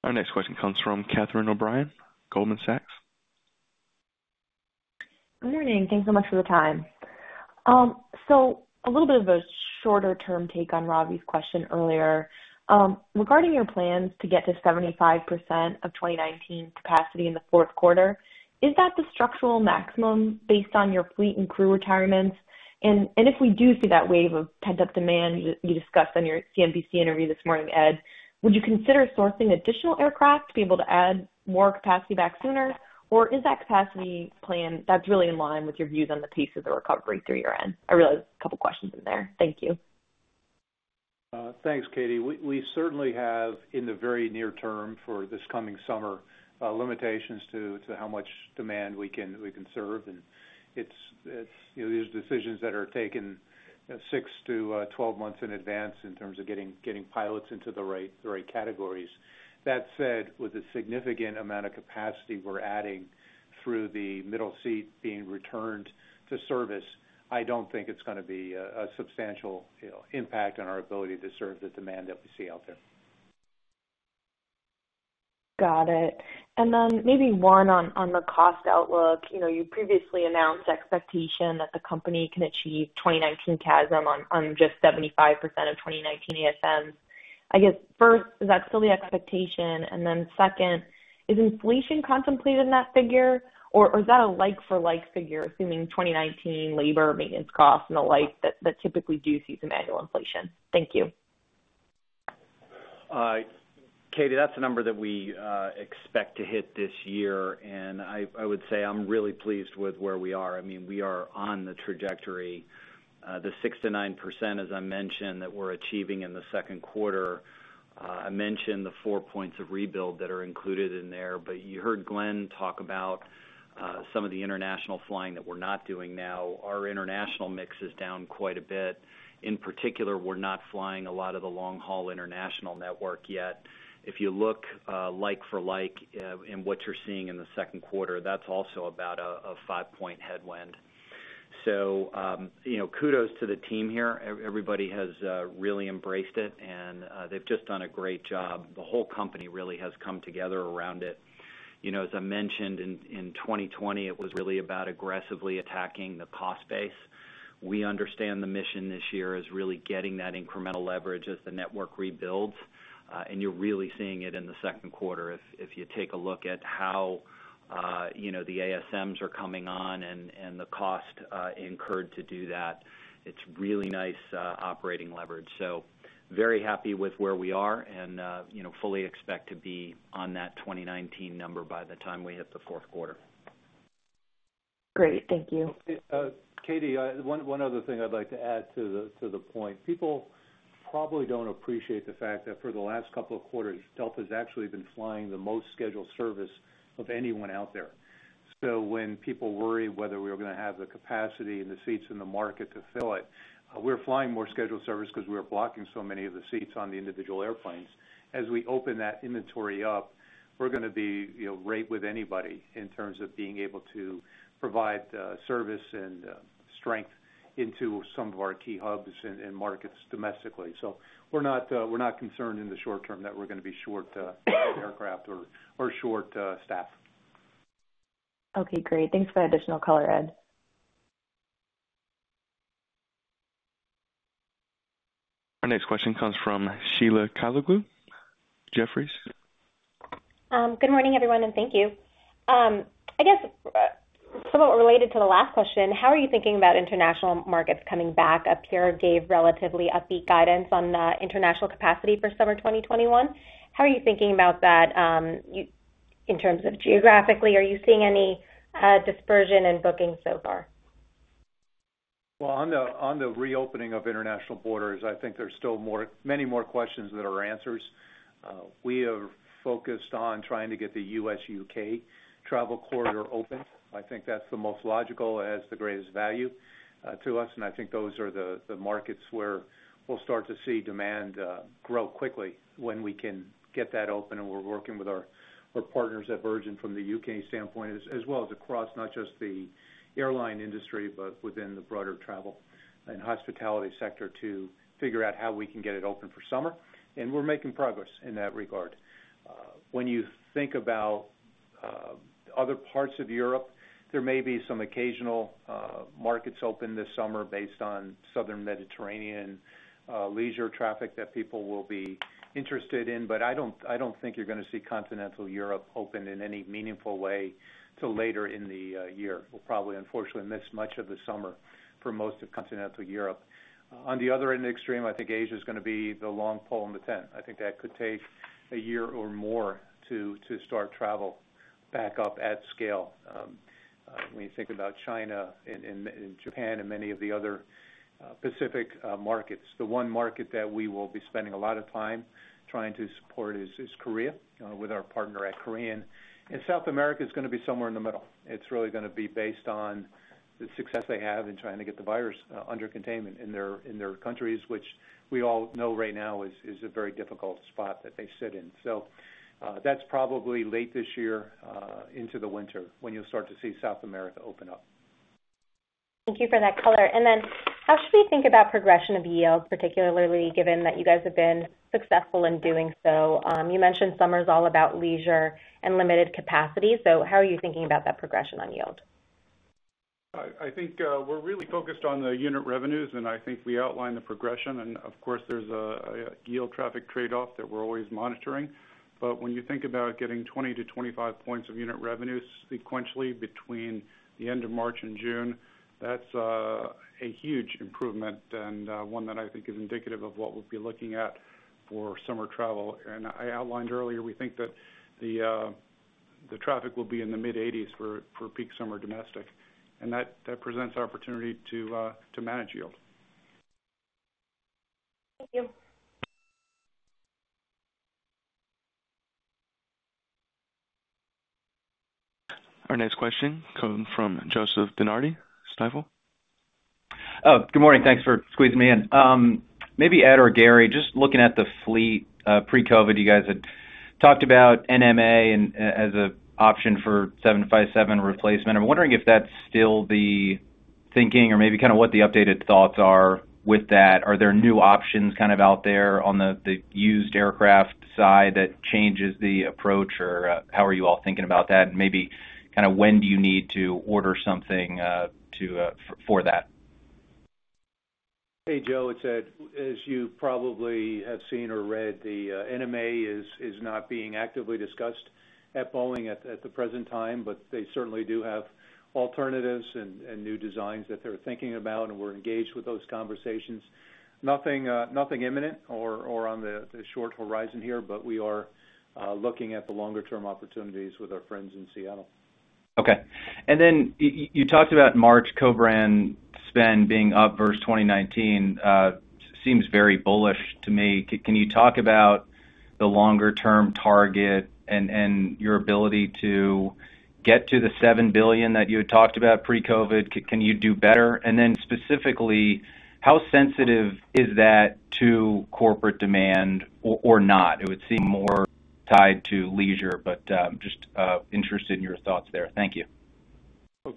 [SPEAKER 1] Our next question comes from Catherine O'Brien, Goldman Sachs.
[SPEAKER 17] Good morning. Thanks so much for the time. A little bit of a shorter-term take on Ravi's question earlier. Regarding your plans to get to 75% of 2019 capacity in the fourth quarter, is that the structural maximum based on your fleet and crew retirements? If we do see that wave of pent-up demand you discussed on your CNBC interview this morning, Ed, would you consider sourcing additional aircraft to be able to add more capacity back sooner? Is that capacity plan that's really in line with your views on the pace of the recovery through year-end? I realize there was a couple of questions in there. Thank you.
[SPEAKER 3] Thanks, Katie. We certainly have, in the very near term for this coming summer, limitations to how much demand we can serve, These are decisions that are taken six to 12 months in advance in terms of getting pilots into the right categories. That said, with the significant amount of capacity we're adding through the middle seat being returned to service, I don't think it's going to be a substantial impact on our ability to serve the demand that we see out there.
[SPEAKER 17] Got it. Then maybe one on the cost outlook. You previously announced expectation that the company can achieve 2019 CASM on just 75% of 2019 ASMs. I guess first, is that still the expectation? Then second, is inflation contemplated in that figure, or is that a like for like figure, assuming 2019 labor, maintenance costs, and the like that typically do see some annual inflation? Thank you.
[SPEAKER 5] Katie, that's a number that we expect to hit this year. I would say I'm really pleased with where we are. I mean, we are on the trajectory. The 6%-9%, as I mentioned, that we're achieving in the second quarter, I mentioned the four points of rebuild that are included in there. You heard Glen talk about some of the international flying that we're not doing now. Our international mix is down quite a bit. In particular, we're not flying a lot of the long-haul international network yet. If you look like for like in what you're seeing in the second quarter, that's also about a five-point headwind. Kudos to the team here. Everybody has really embraced it. They've just done a great job. The whole company really has come together around it. As I mentioned, in 2020, it was really about aggressively attacking the cost base. We understand the mission this year is really getting that incremental leverage as the network rebuilds. You're really seeing it in the second quarter if you take a look at how the ASMs are coming on and the cost incurred to do that. It's really nice operating leverage. Very happy with where we are and fully expect to be on that 2019 number by the time we hit the fourth quarter.
[SPEAKER 17] Great. Thank you.
[SPEAKER 3] Katie, one other thing I'd like to add to the point. People probably don't appreciate the fact that for the last couple of quarters, Delta has actually been flying the most scheduled service of anyone out there. When people worry whether we are going to have the capacity and the seats in the market to fill it, we're flying more scheduled service because we are blocking so many of the seats on the individual airplanes. As we open that inventory up, we're going to be great with anybody in terms of being able to provide service and strength into some of our key hubs and markets domestically. We're not concerned in the short term that we're going to be short aircraft or short staff.
[SPEAKER 17] Okay, great. Thanks for that additional color, Ed.
[SPEAKER 1] Our next question comes from Sheila Kahyaoglu, Jefferies.
[SPEAKER 18] Good morning, everyone, and thank you. I guess somewhat related to the last question, how are you thinking about international markets coming back up here gave relatively upbeat guidance on international capacity for summer 2021? How are you thinking about that in terms of geographically, are you seeing any dispersion in booking so far?
[SPEAKER 3] Well, on the reopening of international borders, I think there's still many more questions than there are answers. We have focused on trying to get the U.S.-U.K. travel corridor open. I think that's the most logical, it has the greatest value to us, and I think those are the markets where we'll start to see demand grow quickly when we can get that open, and we're working with our partners at Virgin from the U.K. standpoint as well as across not just the airline industry, but within the broader travel and hospitality sector to figure out how we can get it open for summer. We're making progress in that regard. When you think about other parts of Europe, there may be some occasional markets open this summer based on southern Mediterranean leisure traffic that people will be interested in, but I don't think you're going to see continental Europe open in any meaningful way till later in the year. We'll probably unfortunately miss much of the summer for most of continental Europe. On the other end of the extreme, I think Asia is going to be the long pole in the tent. I think that could take a year or more to start travel back up at scale when you think about China and Japan and many of the other Pacific markets. The one market that we will be spending a lot of time trying to support is Korea with our partner at Korean. South America is going to be somewhere in the middle. It's really going to be based on the success they have in trying to get the virus under containment in their countries, which we all know right now is a very difficult spot that they sit in. That's probably late this year into the winter when you'll start to see South America open up.
[SPEAKER 18] Thank you for that color. How should we think about progression of yields, particularly given that you guys have been successful in doing so? You mentioned summer is all about leisure and limited capacity. How are you thinking about that progression on yield?
[SPEAKER 4] I think we're really focused on the unit revenues, and I think we outlined the progression, and of course, there's a yield traffic trade-off that we're always monitoring. When you think about getting 20 to 25 points of unit revenue sequentially between the end of March and June, that's a huge improvement and one that I think is indicative of what we'll be looking at for summer travel. I outlined earlier, we think that the traffic will be in the mid-80s for peak summer domestic. That presents opportunity to manage yield.
[SPEAKER 18] Thank you.
[SPEAKER 1] Our next question comes from Joseph DeNardi, Stifel.
[SPEAKER 19] Oh, good morning. Thanks for squeezing me in. Maybe Ed or Gary, just looking at the fleet pre-COVID, you guys had talked about NMA as an option for 757 replacement. I'm wondering if that's still the thinking or maybe kind of what the updated thoughts are with that. Are there new options kind of out there on the used aircraft side that changes the approach, or how are you all thinking about that? Maybe kind of when do you need to order something for that?
[SPEAKER 3] Hey, Joe, it's Ed. As you probably have seen or read, the NMA is not being actively discussed at Boeing at the present time, but they certainly do have alternatives and new designs that they're thinking about, and we're engaged with those conversations. Nothing imminent or on the short horizon here, but we are looking at the longer-term opportunities with our friends in Seattle.
[SPEAKER 19] Okay. You talked about March co-brand spend being up versus 2019. Seems very bullish to me. Can you talk about the longer-term target and your ability to get to the $7 billion that you had talked about pre-COVID? Can you do better? Specifically, how sensitive is that to corporate demand or not? It would seem more tied to leisure, but just interested in your thoughts there. Thank you.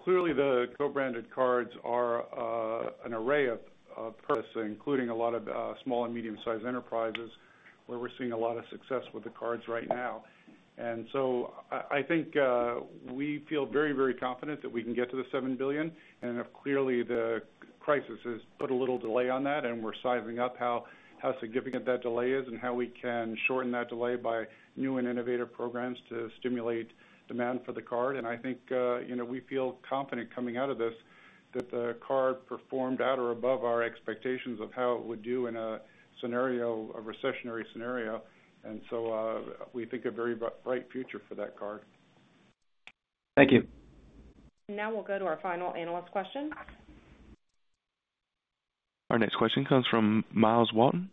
[SPEAKER 5] Clearly the co-branded cards are an array of purchasing, including a lot of small and medium-sized enterprises where we're seeing a lot of success with the cards right now. I think we feel very confident that we can get to the $7 billion, and clearly the crisis has put a little delay on that, and we're sizing up how significant that delay is and how we can shorten that delay by new and innovative programs to stimulate demand for the card. I think we feel confident coming out of this. That the card performed at or above our expectations of how it would do in a recessionary scenario. We think a very bright future for that card.
[SPEAKER 19] Thank you.
[SPEAKER 2] Now we'll go to our final analyst question.
[SPEAKER 1] Our next question comes from Myles Walton,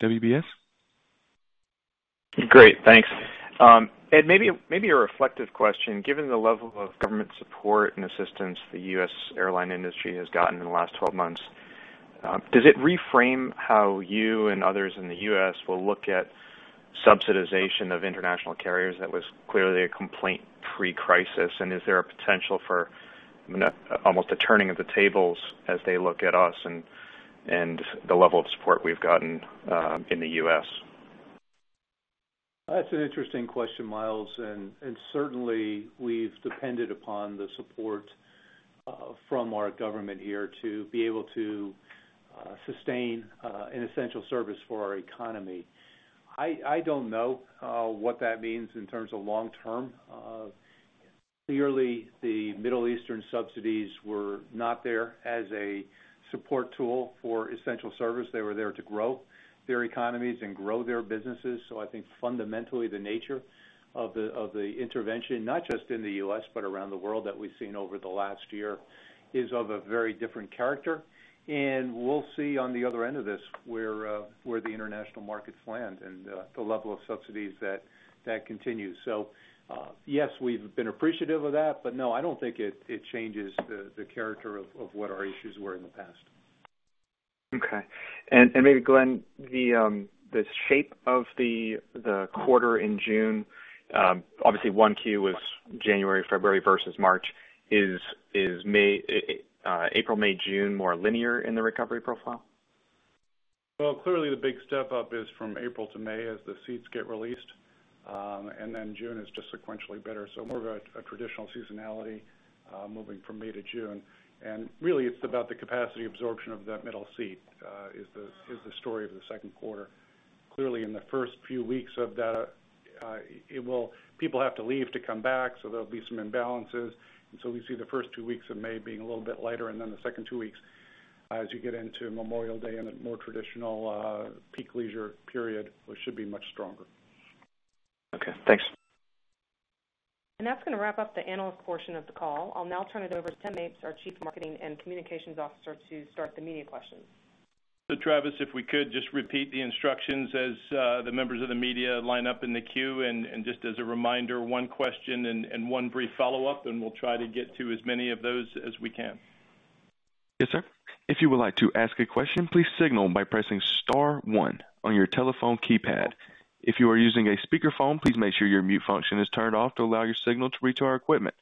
[SPEAKER 1] UBS.
[SPEAKER 20] Great, thanks. Ed, maybe a reflective question. Given the level of government support and assistance the U.S. airline industry has gotten in the last 12 months, does it reframe how you and others in the U.S. will look at subsidization of international carriers? That was clearly a complaint pre-crisis, is there a potential for almost a turning of the tables as they look at us and the level of support we've gotten in the U.S.?
[SPEAKER 3] That's an interesting question, Myles, certainly we've depended upon the support from our government here to be able to sustain an essential service for our economy. I don't know what that means in terms of long-term. Clearly, the Middle Eastern subsidies were not there as a support tool for essential service. They were there to grow their economies and grow their businesses. I think fundamentally, the nature of the intervention, not just in the U.S., but around the world that we've seen over the last year, is of a very different character. We'll see on the other end of this where the international markets land and the level of subsidies that continues. Yes, we've been appreciative of that, but no, I don't think it changes the character of what our issues were in the past.
[SPEAKER 20] Okay. Maybe Glen, the shape of the quarter in June, obviously one Q was January, February versus March. Is April, May, June more linear in the recovery profile?
[SPEAKER 4] Well, clearly the big step up is from April to May as the seats get released. June is just sequentially better. More of a traditional seasonality, moving from May to June. It's about the capacity absorption of that middle seat, is the story of the second quarter. Clearly, in the first few weeks of that, people have to leave to come back, so there'll be some imbalances. We see the first two weeks of May being a little bit lighter, and then the second two weeks as you get into Memorial Day and a more traditional peak leisure period, which should be much stronger.
[SPEAKER 20] Okay, thanks.
[SPEAKER 2] That's going to wrap up the analyst portion of the call. I'll now turn it over to Tim Mapes, our Chief Marketing and Communications Officer, to start the media questions.
[SPEAKER 21] Travis, if we could just repeat the instructions as the members of the media line up in the queue, and just as a reminder, one question and one brief follow-up, and we'll try to get to as many of those as we can.
[SPEAKER 1] Yes, sir. If you would like to ask a question, please signal by pressing star one on your telephone keypad. If you are using a speakerphone, please make sure your mute function is turned off to allow your signal to reach our equipment.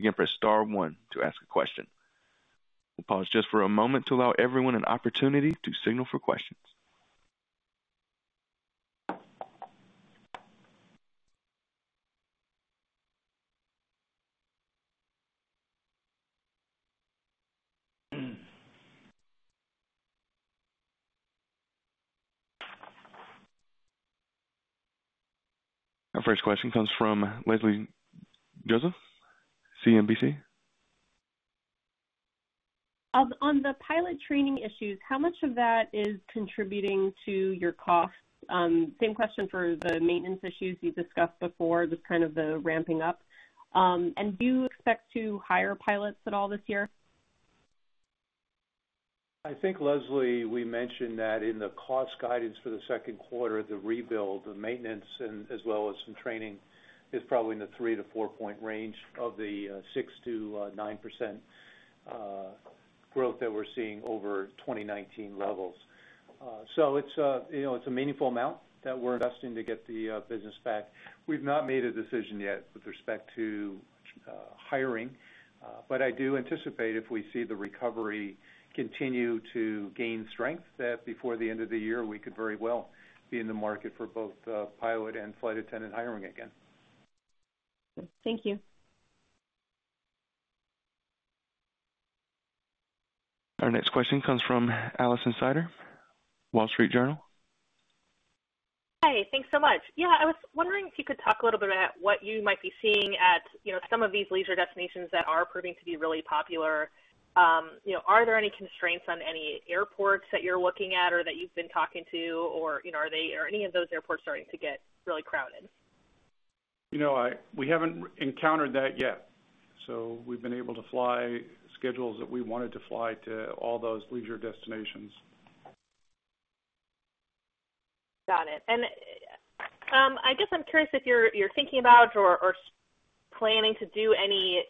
[SPEAKER 1] Again, press star one to ask a question. We'll pause just for a moment to allow everyone an opportunity to signal for questions. Our first question comes from Leslie Josephs, CNBC.
[SPEAKER 22] On the pilot training issues, how much of that is contributing to your cost? Same question for the maintenance issues you discussed before, just kind of the ramping up. Do you expect to hire pilots at all this year?
[SPEAKER 3] I think, Leslie, we mentioned that in the cost guidance for the second quarter, the rebuild, the maintenance, as well as some training, is probably in the 3-4 point range of the 6%-9% growth that we're seeing over 2019 levels. It's a meaningful amount that we're investing to get the business back. We've not made a decision yet with respect to hiring. I do anticipate if we see the recovery continue to gain strength, that before the end of the year, we could very well be in the market for both pilot and flight attendant hiring again.
[SPEAKER 22] Thank you.
[SPEAKER 1] Our next question comes from Alison Sider, The Wall Street Journal.
[SPEAKER 23] Hi, thanks so much. Yeah, I was wondering if you could talk a little bit about what you might be seeing at some of these leisure destinations that are proving to be really popular. Are there any constraints on any airports that you're looking at or that you've been talking to, or are any of those airports starting to get really crowded?
[SPEAKER 4] We haven't encountered that yet, so we've been able to fly schedules that we wanted to fly to all those leisure destinations.
[SPEAKER 23] Got it. I guess I'm curious if you're thinking about or planning to do any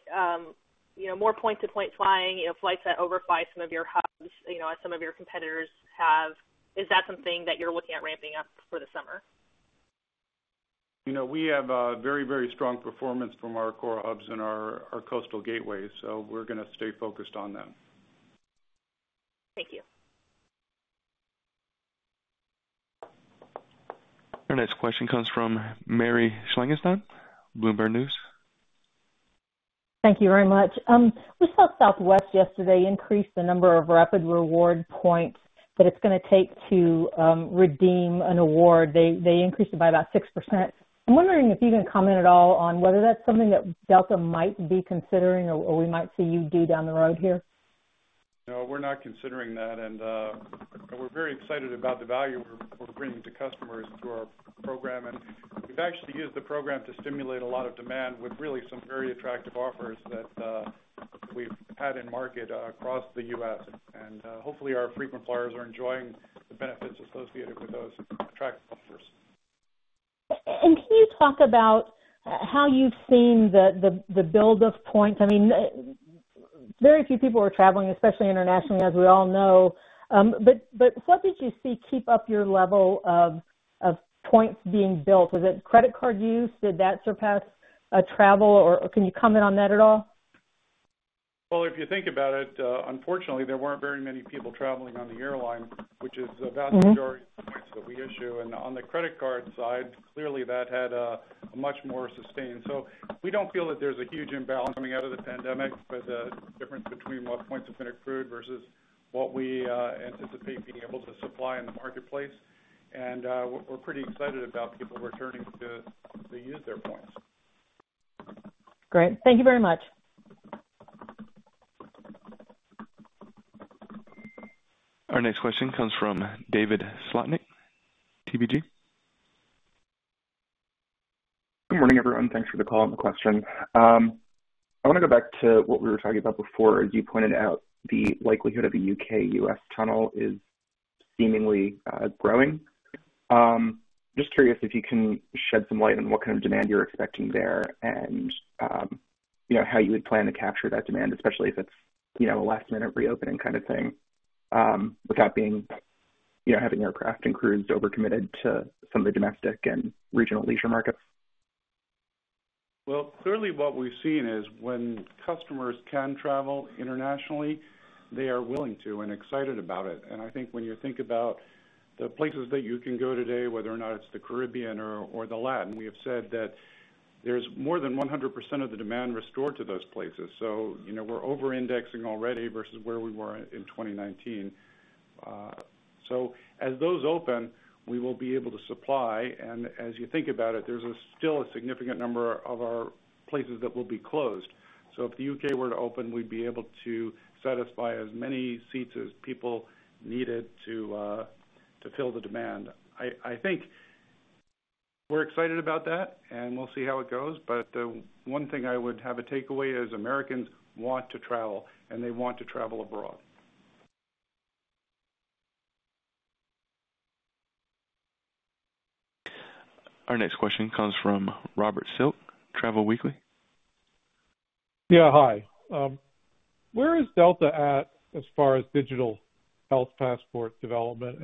[SPEAKER 23] more point-to-point flying, flights that overfly some of your hubs, as some of your competitors have. Is that something that you're looking at ramping up for the summer?
[SPEAKER 4] We have a very strong performance from our core hubs and our coastal gateways, we're going to stay focused on them.
[SPEAKER 23] Thank you.
[SPEAKER 1] Our next question comes from Mary Schlangenstein, Bloomberg News.
[SPEAKER 24] Thank you very much. We saw Southwest yesterday increase the number of Rapid Reward points that it's going to take to redeem an award. They increased it by about 6%. I'm wondering if you can comment at all on whether that's something that Delta might be considering or we might see you do down the road here.
[SPEAKER 4] No, we're not considering that, and we're very excited about the value we're bringing to customers through our program. We've actually used the program to stimulate a lot of demand with really some very attractive offers that we've had in market across the U.S. Hopefully our frequent flyers are enjoying the benefits associated with those attractive offers.
[SPEAKER 24] Can you talk about how you've seen the build of points? Very few people are traveling, especially internationally, as we all know. What did you see keep up your level of points being built? Was it credit card use? Did that surpass travel, or can you comment on that at all?
[SPEAKER 4] Well, if you think about it, unfortunately, there weren't very many people traveling on the airline, which is the vast majority of the points that we issue. On the credit card side, clearly that had a much more sustain. We don't feel that there's a huge imbalance coming out of the pandemic with the difference between what points have been accrued versus what we anticipate being able to supply in the marketplace. We're pretty excited about people returning to use their points.
[SPEAKER 24] Great. Thank you very much.
[SPEAKER 1] Our next question comes from David Slotnick, TPG.
[SPEAKER 25] Good morning, everyone. Thanks for the call and the question. I want to go back to what we were talking about before. As you pointed out, the likelihood of a U.K.-U.S. tunnel is seemingly growing. Just curious if you can shed some light on what kind of demand you're expecting there and how you would plan to capture that demand, especially if it's a last-minute reopening kind of thing, without having aircraft and crews over-committed to some of the domestic and regional leisure markets.
[SPEAKER 4] Well, clearly what we've seen is when customers can travel internationally, they are willing to and excited about it. I think when you think about the places that you can go today, whether or not it's the Caribbean or the Latin, we have said that there's more than 100% of the demand restored to those places. We're over-indexing already versus where we were in 2019. As those open, we will be able to supply, as you think about it, there's still a significant number of our places that will be closed. If the U.K. were to open, we'd be able to satisfy as many seats as people needed to fill the demand. I think we're excited about that, we'll see how it goes. The one thing I would have a takeaway is Americans want to travel and they want to travel abroad.
[SPEAKER 1] Our next question comes from Robert Silk, Travel Weekly.
[SPEAKER 26] Yeah, hi. Where is Delta at as far as digital health passport development?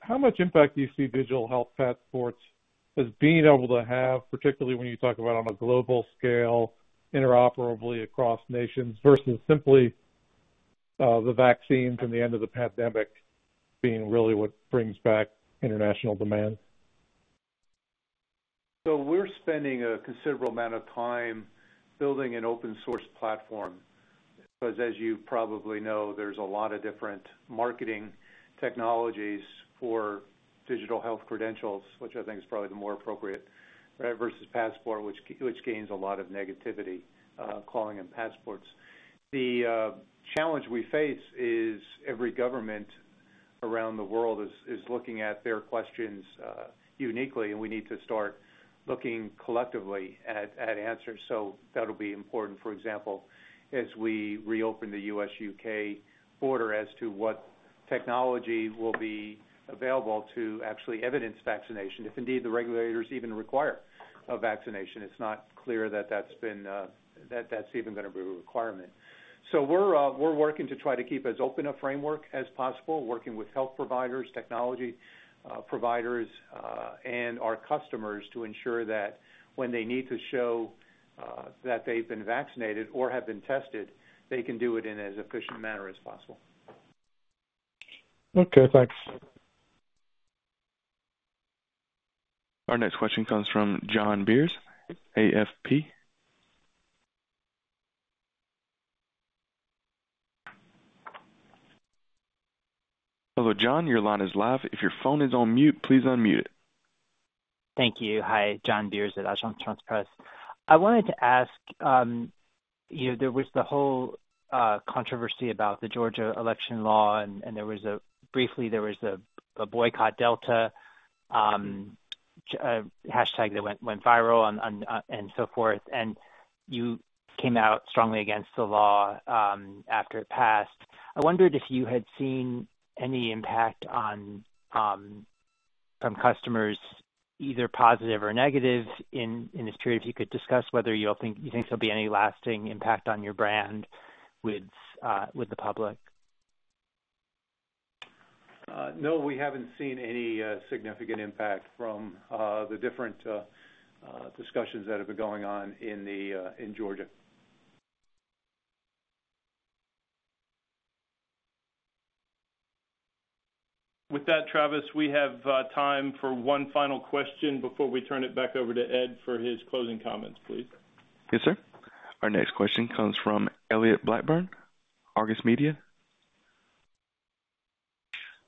[SPEAKER 26] How much impact do you see digital health passports as being able to have, particularly when you talk about on a global scale, interoperably across nations, versus simply the vaccines and the end of the pandemic being really what brings back international demand?
[SPEAKER 3] We're spending a considerable amount of time building an open-source platform because as you probably know, there's a lot of different marketing technologies for digital health credentials, which I think is probably the more appropriate, versus passport, which gains a lot of negativity, calling them passports. The challenge we face is every government around the world is looking at their questions uniquely, and we need to start looking collectively at answers. That'll be important. For example, as we reopen the U.S.-U.K. border as to what technology will be available to actually evidence vaccination, if indeed the regulators even require a vaccination. It's not clear that that's even going to be a requirement. We're working to try to keep as open a framework as possible, working with health providers, technology providers, and our customers to ensure that when they need to show that they've been vaccinated or have been tested, they can do it in as efficient a manner as possible.
[SPEAKER 26] Okay, thanks.
[SPEAKER 1] Our next question comes from John Beers, AFP. Hello, John, your line is live. If your phone is on mute, please unmute it.
[SPEAKER 27] Thank you. Hi, John Beers at Agence France-Presse. I wanted to ask, there was the whole controversy about the Georgia election law, and briefly there was a boycott Delta hashtag that went viral and so forth, and you came out strongly against the law after it passed. I wondered if you had seen any impact from customers, either positive or negative, and just curious if you could discuss whether you think there'll be any lasting impact on your brand with the public.
[SPEAKER 3] No, we haven't seen any significant impact from the different discussions that have been going on in Georgia.
[SPEAKER 21] With that, Travis, we have time for one final question before we turn it back over to Ed for his closing comments, please.
[SPEAKER 1] Yes, sir. Our next question comes from Elliott Blackburn, Argus Media.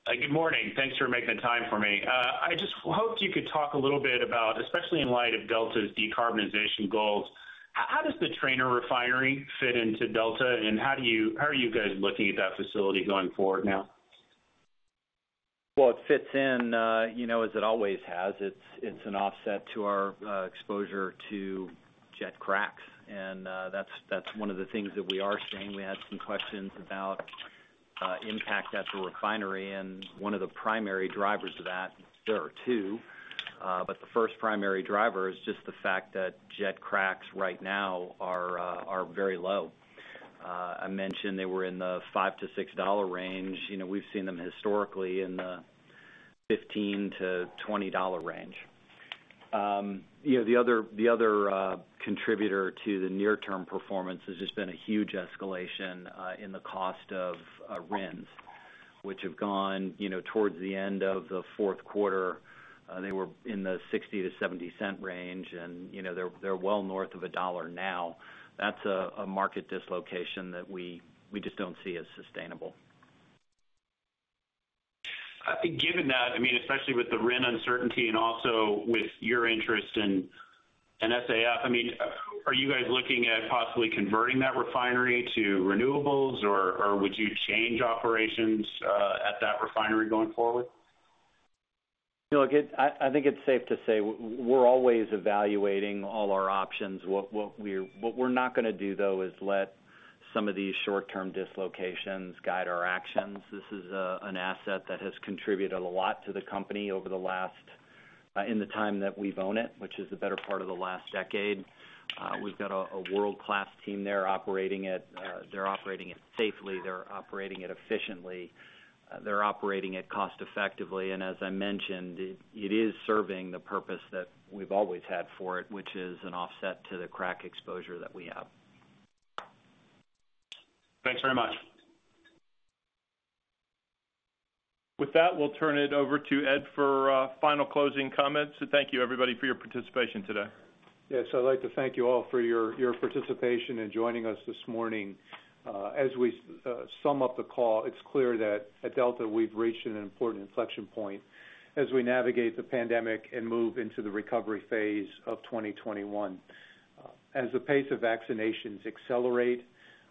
[SPEAKER 28] Good morning. Thanks for making the time for me. I just hoped you could talk a little bit about, especially in light of Delta's decarbonization goals, how does the Trainer Refinery fit into Delta, and how are you guys looking at that facility going forward now?
[SPEAKER 5] Well, it fits in, as it always has. It's an offset to our exposure to jet cracks. That's one of the things that we are seeing. We had some questions about impact at the refinery. One of the primary drivers of that, there are two, but the first primary driver is just the fact that jet cracks right now are very low. I mentioned they were in the $5-$6 range. We've seen them historically in the $15-$20 range. The other contributor to the near-term performance has just been a huge escalation in the cost of RINs, which have gone towards the end of the fourth quarter. They were in the $0.60-$0.70 range. They're well north of $1 now. That's a market dislocation that we just don't see as sustainable.
[SPEAKER 28] Given that, especially with the RIN uncertainty and also with your interest in SAF, are you guys looking at possibly converting that refinery to renewables, or would you change operations at that refinery going forward?
[SPEAKER 5] Look, I think it's safe to say we're always evaluating all our options. What we're not going to do, though, is let some of these short-term dislocations guide our actions. This is an asset that has contributed a lot to the company in the time that we've owned it, which is the better part of the last decade. We've got a world-class team there operating it. They're operating it safely. They're operating it efficiently. They're operating it cost effectively. As I mentioned, it is serving the purpose that we've always had for it, which is an offset to the crack exposure that we have.
[SPEAKER 28] Thanks very much.
[SPEAKER 21] With that, we'll turn it over to Ed for final closing comments. Thank you everybody for your participation today.
[SPEAKER 3] Yes. I'd like to thank you all for your participation in joining us this morning. As we sum up the call, it's clear that at Delta, we've reached an important inflection point as we navigate the pandemic and move into the recovery phase of 2021. As the pace of vaccinations accelerate,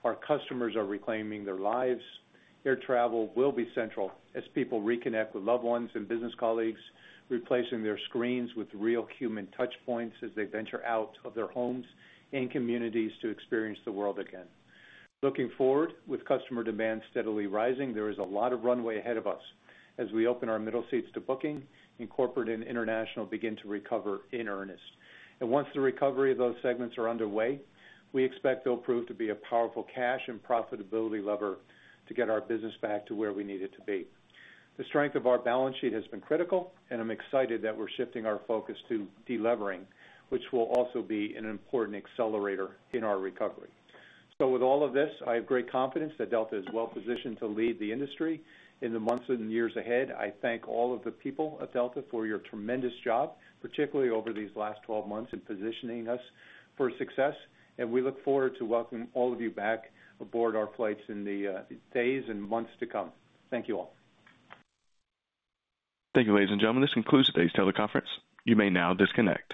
[SPEAKER 3] our customers are reclaiming their lives. Air travel will be central as people reconnect with loved ones and business colleagues, replacing their screens with real human touchpoints as they venture out of their homes and communities to experience the world again. Looking forward, with customer demand steadily rising, there is a lot of runway ahead of us as we open our middle seats to booking, and corporate and international begin to recover in earnest. Once the recovery of those segments are underway, we expect they'll prove to be a powerful cash and profitability lever to get our business back to where we need it to be. The strength of our balance sheet has been critical, and I'm excited that we're shifting our focus to delevering, which will also be an important accelerator in our recovery. With all of this, I have great confidence that Delta is well positioned to lead the industry in the months and years ahead. I thank all of the people of Delta for your tremendous job, particularly over these last 12 months, in positioning us for success. We look forward to welcoming all of you back aboard our flights in the days and months to come. Thank you all.
[SPEAKER 1] Thank you, ladies and gentlemen. This concludes today's teleconference. You may now disconnect.